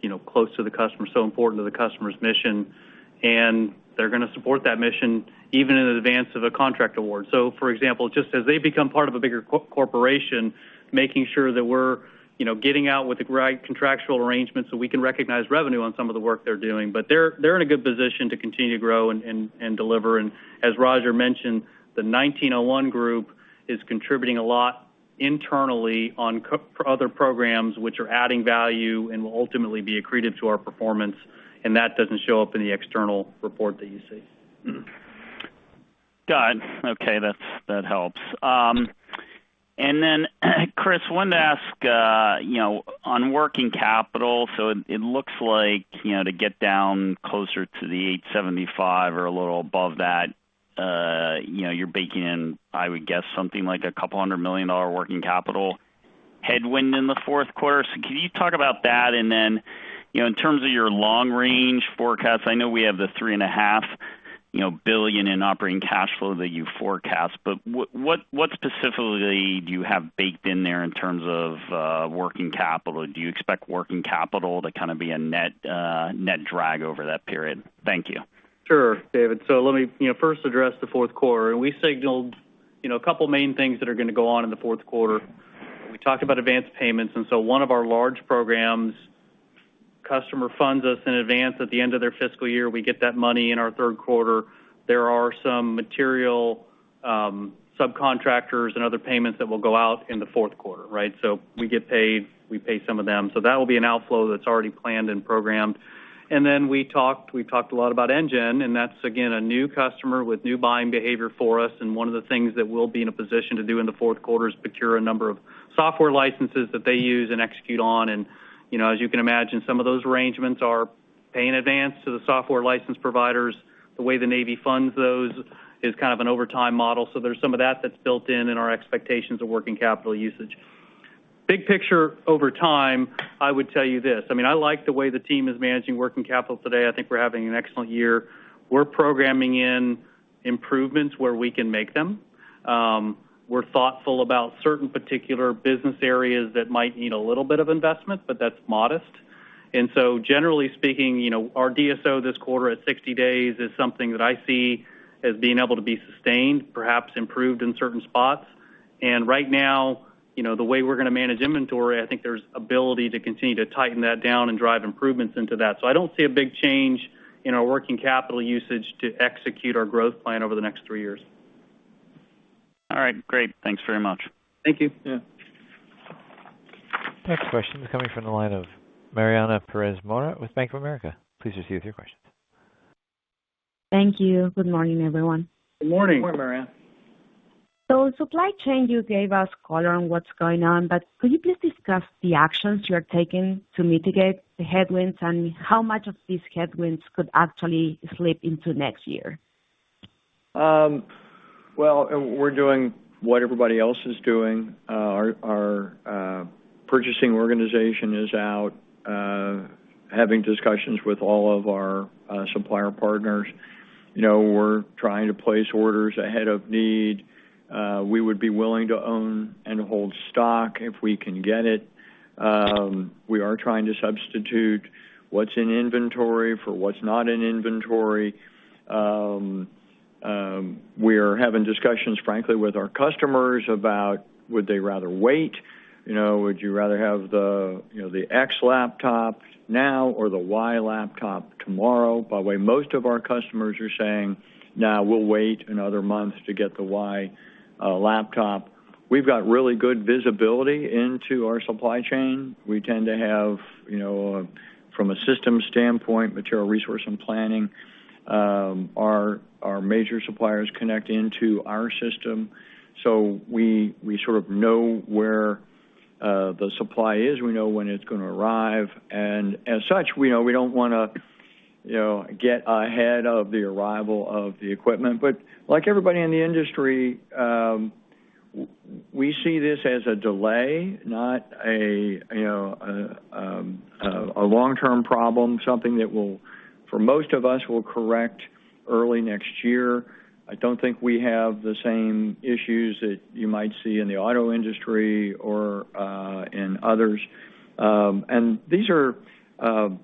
Speaker 4: you know, close to the customer, so important to the customer's mission, and they're gonna support that mission even in advance of a contract award. For example, just as they become part of a bigger corporation, making sure that we're, you know, getting out with the right contractual arrangements so we can recognize revenue on some of the work they're doing. They're in a good position to continue to grow and deliver. As Roger mentioned, the 1901 Group is contributing a lot internally for other programs which are adding value and will ultimately be accreted to our performance, and that doesn't show up in the external report that you see.
Speaker 11: Got it. Okay, that helps. Then, Chris, wanted to ask, you know, on working capital, so it looks like, you know, to get down closer to the $875 or a little above that, you know, you're baking in, I would guess, something like $200 million working capital headwind in the fourth quarter. Can you talk about that? Then, you know, in terms of your long range forecasts, I know we have the $3.5 billion in operating cash flow that you forecast, but what specifically do you have baked in there in terms of working capital? Do you expect working capital to kind of be a net drag over that period? Thank you.
Speaker 4: Sure, David. Let me, you know, first address the fourth quarter. We signaled, you know, a couple main things that are gonna go on in the fourth quarter. We talked about advanced payments, and so one of our large programs, customer funds us in advance at the end of their fiscal year. We get that money in our third quarter. There are some material subcontractors and other payments that will go out in the fourth quarter, right? We get paid, we pay some of them. That'll be an outflow that's already planned and programmed. We talked a lot about NGEN, and that's again, a new customer with new buying behavior for us. One of the things that we'll be in a position to do in the fourth quarter is procure a number of software licenses that they use and execute on. You know, as you can imagine, some of those arrangements are pay in advance to the software license providers. The way the Navy funds those is kind of an overtime model. There's some of that that's built in our expectations of working capital usage. Big picture over time, I would tell you this, I mean, I like the way the team is managing working capital today. I think we're having an excellent year. We're programming in improvements where we can make them. We're thoughtful about certain particular business areas that might need a little bit of investment, but that's modest. Generally speaking, you know, our DSO this quarter at 60 days is something that I see as being able to be sustained, perhaps improved in certain spots. Right now, you know, the way we're gonna manage inventory, I think there's ability to continue to tighten that down and drive improvements into that. I don't see a big change in our working capital usage to execute our growth plan over the next three years.
Speaker 11: All right, great. Thanks very much.
Speaker 4: Thank you.
Speaker 3: Yeah.
Speaker 1: Next question is coming from the line of Mariana Perez Mora with Bank of America. Please proceed with your questions.
Speaker 12: Thank you. Good morning, everyone.
Speaker 3: Good morning.
Speaker 4: Good morning, Mariana.
Speaker 12: On supply chain, you gave us color on what's going on, but could you please discuss the actions you are taking to mitigate the headwinds and how much of these headwinds could actually slip into next year?
Speaker 3: Well, we're doing what everybody else is doing. Our purchasing organization is out having discussions with all of our supplier partners. You know, we're trying to place orders ahead of need. We would be willing to own and hold stock if we can get it. We are trying to substitute what's in inventory for what's not in inventory. We're having discussions, frankly, with our customers about would they rather wait. You know, would you rather have the, you know, the X laptop now or the Y laptop tomorrow? By the way, most of our customers are saying, "Nah, we'll wait another month to get the Y laptop." We've got really good visibility into our supply chain. We tend to have, you know, from a system standpoint, material resource and planning, our major suppliers connect into our system, so we sort of know where the supply is. We know when it's gonna arrive. As such, we know we don't wanna, you know, get ahead of the arrival of the equipment. Like everybody in the industry, we see this as a delay, not a, you know, a long-term problem, something that will, for most of us, correct early next year. I don't think we have the same issues that you might see in the auto industry or in others. These are, you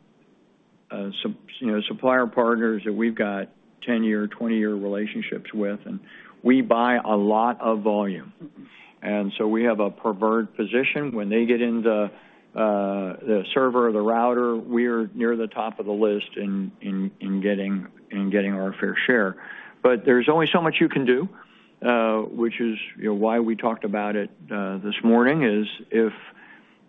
Speaker 3: know, supplier partners that we've got 10-year, 20-year relationships with, and we buy a lot of volume. We have a preferred position. When they get into the server or the router, we're near the top of the list in getting our fair share. There's only so much you can do, which is, you know, why we talked about it this morning, is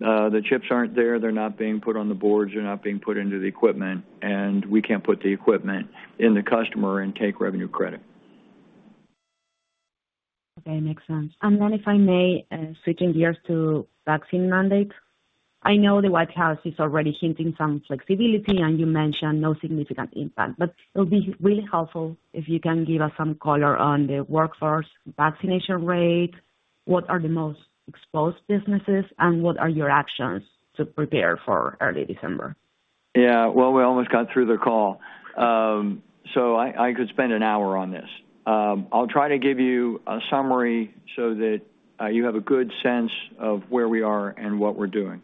Speaker 3: if the chips aren't there, they're not being put on the boards, they're not being put into the equipment, and we can't put the equipment in the customer and take revenue credit.
Speaker 12: Okay, makes sense. If I may, switching gears to vaccine mandates. I know the White House is already hinting some flexibility and you mentioned no significant impact, but it'll be really helpful if you can give us some color on the workforce vaccination rate, what are the most exposed businesses and what are your actions to prepare for early December?
Speaker 3: Yeah. Well, we almost got through the call, so I could spend an hour on this. I'll try to give you a summary so that you have a good sense of where we are and what we're doing.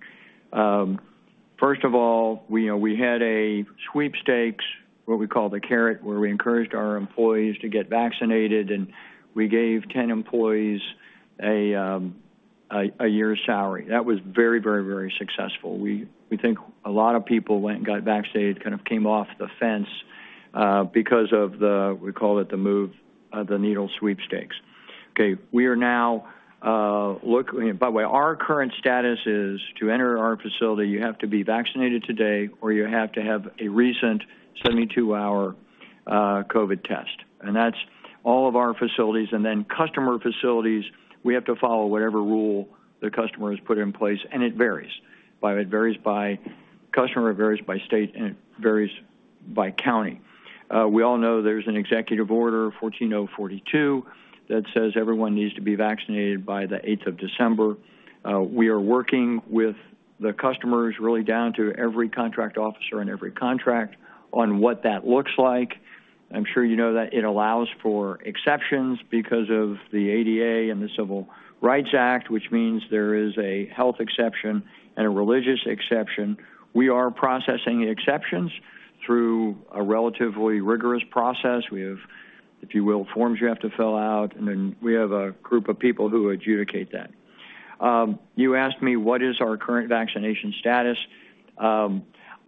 Speaker 3: First of all, you know, we had a sweepstakes, what we call The Carrot, where we encouraged our employees to get vaccinated, and we gave 10 employees a year's salary. That was very successful. We think a lot of people went and got vaccinated, kind of came off the fence because of the, we call it the move the needle sweepstakes. By the way, our current status is to enter our facility, you have to be vaccinated today or you have to have a recent 72-hour COVID test. That's all of our facilities. Customer facilities, we have to follow whatever rule the customer has put in place. It varies. It varies by customer, it varies by state, and it varies by county. We all know there's an Executive Order 14042 that says everyone needs to be vaccinated by December 8th. We are working with the customers really down to every contract officer and every contract on what that looks like. I'm sure you know that it allows for exceptions because of the ADA and the Civil Rights Act, which means there is a health exception and a religious exception. We are processing exceptions through a relatively rigorous process. We have, if you will, forms you have to fill out, and then we have a group of people who adjudicate that. You asked me what is our current vaccination status.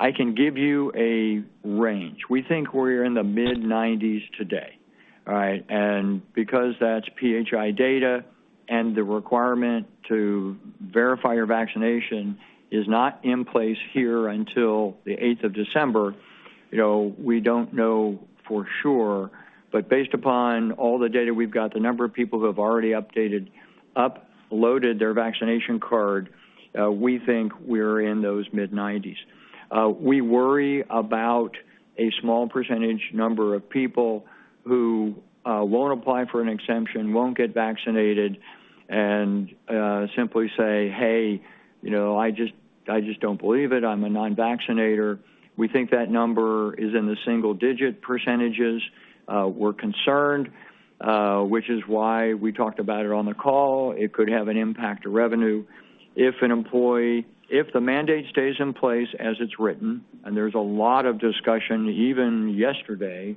Speaker 3: I can give you a range. We think we're in the mid-90s today. All right? Because that's PHI data and the requirement to verify your vaccination is not in place here until December 8th, you know, we don't know for sure. But based upon all the data we've got, the number of people who have already uploaded their vaccination card, we think we're in those mid-90s. We worry about a small percentage number of people who won't apply for an exemption, won't get vaccinated, and simply say, "Hey, you know, I just don't believe it. I'm a non-vaccinator." We think that number is in the single-digit percentages. We're concerned, which is why we talked about it on the call. If the mandate stays in place as it's written, and there's a lot of discussion even yesterday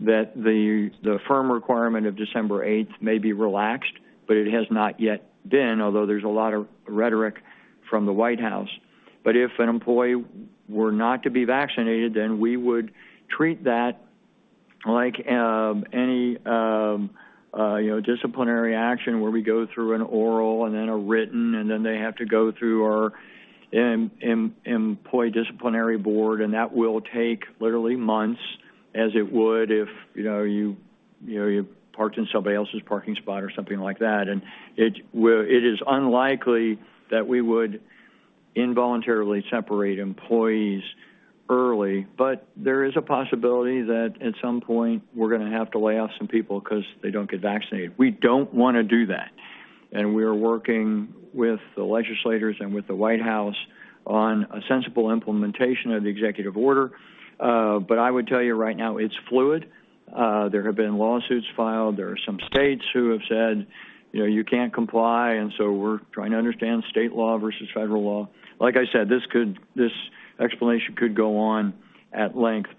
Speaker 3: that the firm requirement of December 8th may be relaxed, but it has not yet been, although there's a lot of rhetoric from the White House. If an employee were not to be vaccinated, then we would treat that like any, you know, disciplinary action where we go through an oral and then a written, and then they have to go through our employee disciplinary board, and that will take literally months as it would if, you know, you parked in somebody else's parking spot or something like that. It is unlikely that we would involuntarily separate employees early, but there is a possibility that at some point we're gonna have to lay off some people because they don't get vaccinated. We don't wanna do that, and we are working with the legislators and with the White House on a sensible implementation of the Executive Order. I would tell you right now, it's fluid. There have been lawsuits filed. There are some states who have said, you know, "You can't comply," and so we're trying to understand state law versus federal law. Like I said, this explanation could go on at length.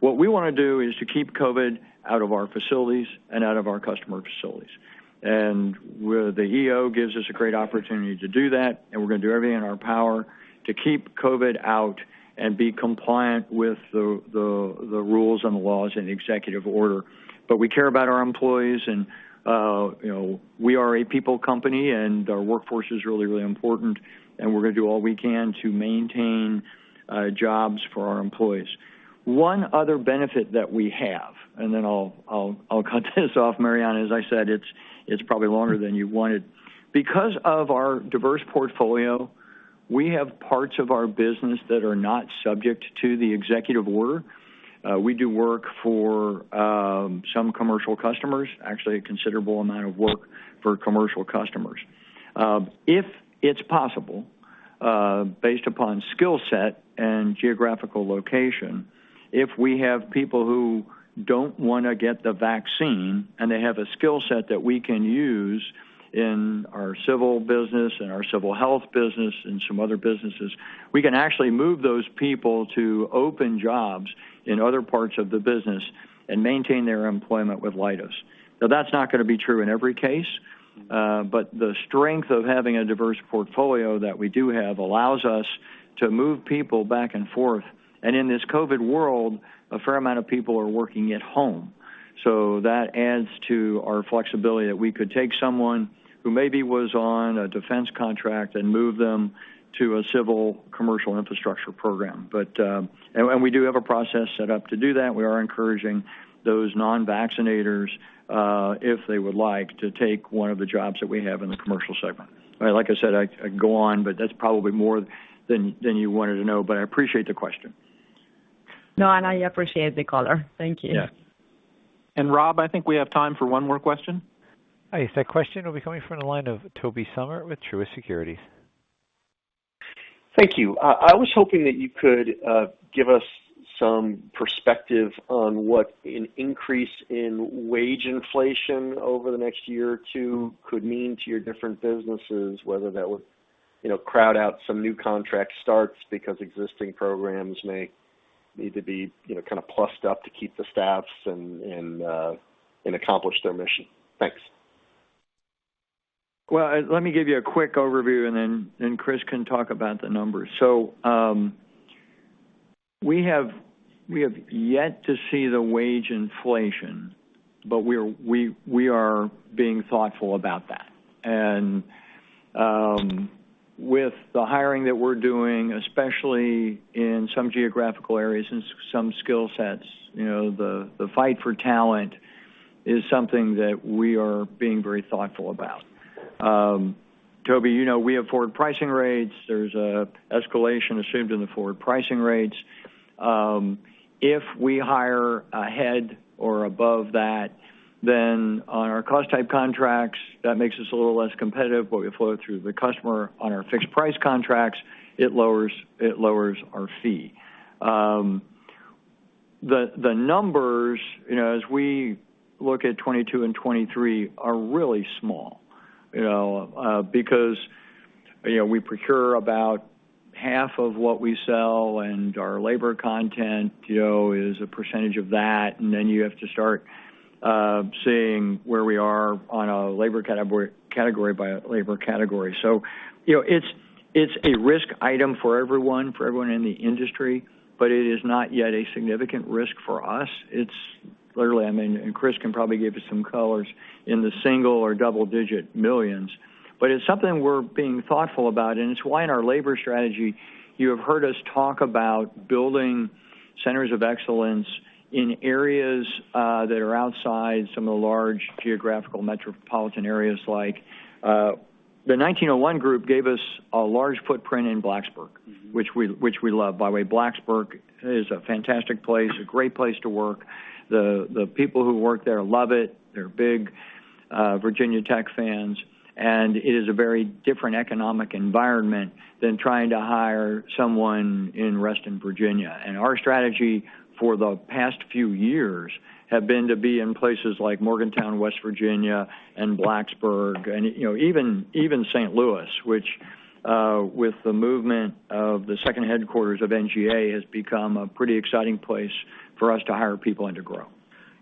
Speaker 3: What we wanna do is to keep COVID out of our facilities and out of our customer facilities. The EO gives us a great opportunity to do that, and we're gonna do everything in our power to keep COVID out and be compliant with the rules and the laws in the Executive Order. We care about our employees, you know, we are a people company, and our workforce is really important, and we're gonna do all we can to maintain jobs for our employees. One other benefit that we have, and then I'll cut this off, Mariana. As I said, it's probably longer than you wanted. Because of our diverse portfolio, we have parts of our business that are not subject to the executive order. We do work for some commercial customers, actually a considerable amount of work for commercial customers. If it's possible, based upon skill set and geographical location, if we have people who don't wanna get the vaccine, and they have a skill set that we can use in our Civil business and our Civil Health business and some other businesses, we can actually move those people to open jobs in other parts of the business and maintain their employment with Leidos. Now, that's not gonna be true in every case, but the strength of having a diverse portfolio that we do have allows us to move people back and forth. In this COVID world, a fair amount of people are working at home, so that adds to our flexibility that we could take someone who maybe was on a defense contract and move them to a civil commercial infrastructure program. We do have a process set up to do that. We are encouraging those non-vaccinators, if they would like, to take one of the jobs that we have in the commercial segment. Like I said, I could go on, but that's probably more than you wanted to know, but I appreciate the question.
Speaker 12: No, I appreciate the color. Thank you.
Speaker 3: Yeah.
Speaker 2: Rob, I think we have time for one more question.
Speaker 1: Hi. That question will be coming from the line of Tobey Sommer with Truist Securities.
Speaker 13: Thank you. I was hoping that you could give us some perspective on what an increase in wage inflation over the next year or two could mean to your different businesses, whether that would, you know, crowd out some new contract starts because existing programs may need to be, you know, kind of plussed up to keep the staffs and accomplish their mission. Thanks.
Speaker 3: Well, let me give you a quick overview, and then Chris can talk about the numbers. We have yet to see the wage inflation, but we're being thoughtful about that. With the hiring that we're doing, especially in some geographical areas and some skill sets, you know, the fight for talent is something that we are being very thoughtful about. Tobey, you know, we have forward pricing rates. There's a escalation assumed in the forward pricing rates. If we hire ahead or above that, then on our cost-type contracts, that makes us a little less competitive, but we flow it through the customer. On our fixed-price contracts, it lowers our fee. The numbers, you know, as we look at 2022 and 2023 are really small, you know, because we procure about half of what we sell, and our labor content, you know, is a percentage of that. You have to start seeing where we are on a labor category by labor category. You know, it's a risk item for everyone in the industry, but it is not yet a significant risk for us. It's literally, I mean, and Chris can probably give you some colors in the single- or double-digit millions. It's something we're being thoughtful about, and it's why in our labor strategy, you have heard us talk about building centers of excellence in areas that are outside some of the large geographical metropolitan areas like the 1901 Group gave us a large footprint in Blacksburg, which we love. By the way, Blacksburg is a fantastic place, a great place to work. The people who work there love it. They're big Virginia Tech fans, and it is a very different economic environment than trying to hire someone in Reston, Virginia. Our strategy for the past few years have been to be in places like Morgantown, West Virginia, and Blacksburg and, you know, even St. Louis, which, with the movement of the second headquarters of NGA, has become a pretty exciting place for us to hire people and to grow.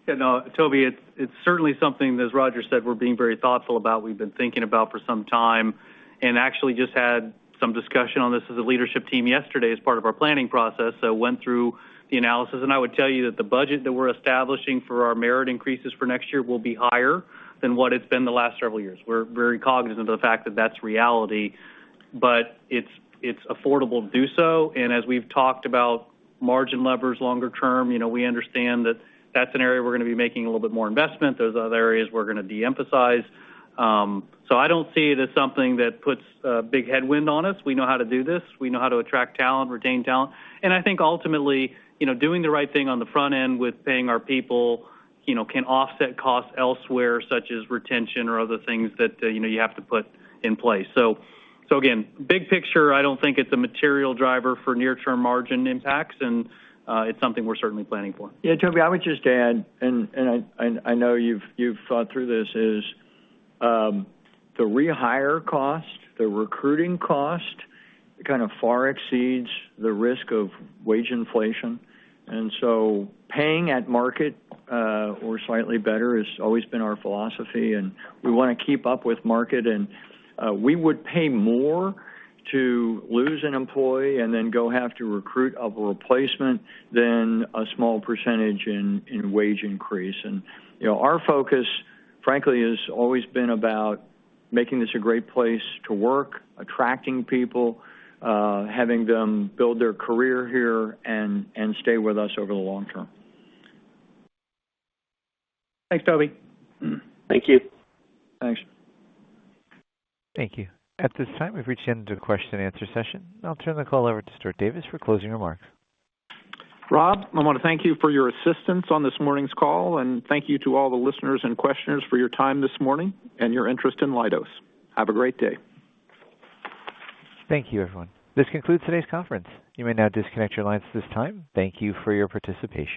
Speaker 4: Yeah, no, Tobey, it's certainly something, as Roger said, we're being very thoughtful about. We've been thinking about for some time, and actually just had some discussion on this as a leadership team yesterday as part of our planning process. We went through the analysis, and I would tell you that the budget that we're establishing for our merit increases for next year will be higher than what it's been the last several years. We're very cognizant of the fact that that's reality, but it's affordable to do so. As we've talked about margin levers longer term, you know, we understand that that's an area we're gonna be making a little bit more investment. There's other areas we're gonna de-emphasize. I don't see it as something that puts a big headwind on us. We know how to do this. We know how to attract talent, retain talent, and I think ultimately, you know, doing the right thing on the front end with paying our people, you know, can offset costs elsewhere, such as retention or other things that, you know, you have to put in place. So again, big picture, I don't think it's a material driver for near-term margin impacts, and it's something we're certainly planning for.
Speaker 3: Yeah, Tobey, I would just add, I know you've thought through this, the rehire cost, the recruiting cost kind of far exceeds the risk of wage inflation. Paying at market or slightly better has always been our philosophy, and we wanna keep up with market, and we would pay more to lose an employee and then go have to recruit for a replacement than a small percentage in wage increase. You know, our focus, frankly, has always been about making this a great place to work, attracting people, having them build their career here and stay with us over the long term.
Speaker 4: Thanks, Tobey.
Speaker 13: Thank you.
Speaker 4: Thanks.
Speaker 1: Thank you. At this time, we've reached the end of the question-and-answer session. I'll turn the call over to Stuart Davis for closing remarks.
Speaker 2: Rob, I wanna thank you for your assistance on this morning's call, and thank you to all the listeners and questioners for your time this morning and your interest in Leidos. Have a great day.
Speaker 1: Thank you, everyone. This concludes today's conference. You may now disconnect your lines at this time. Thank you for your participation.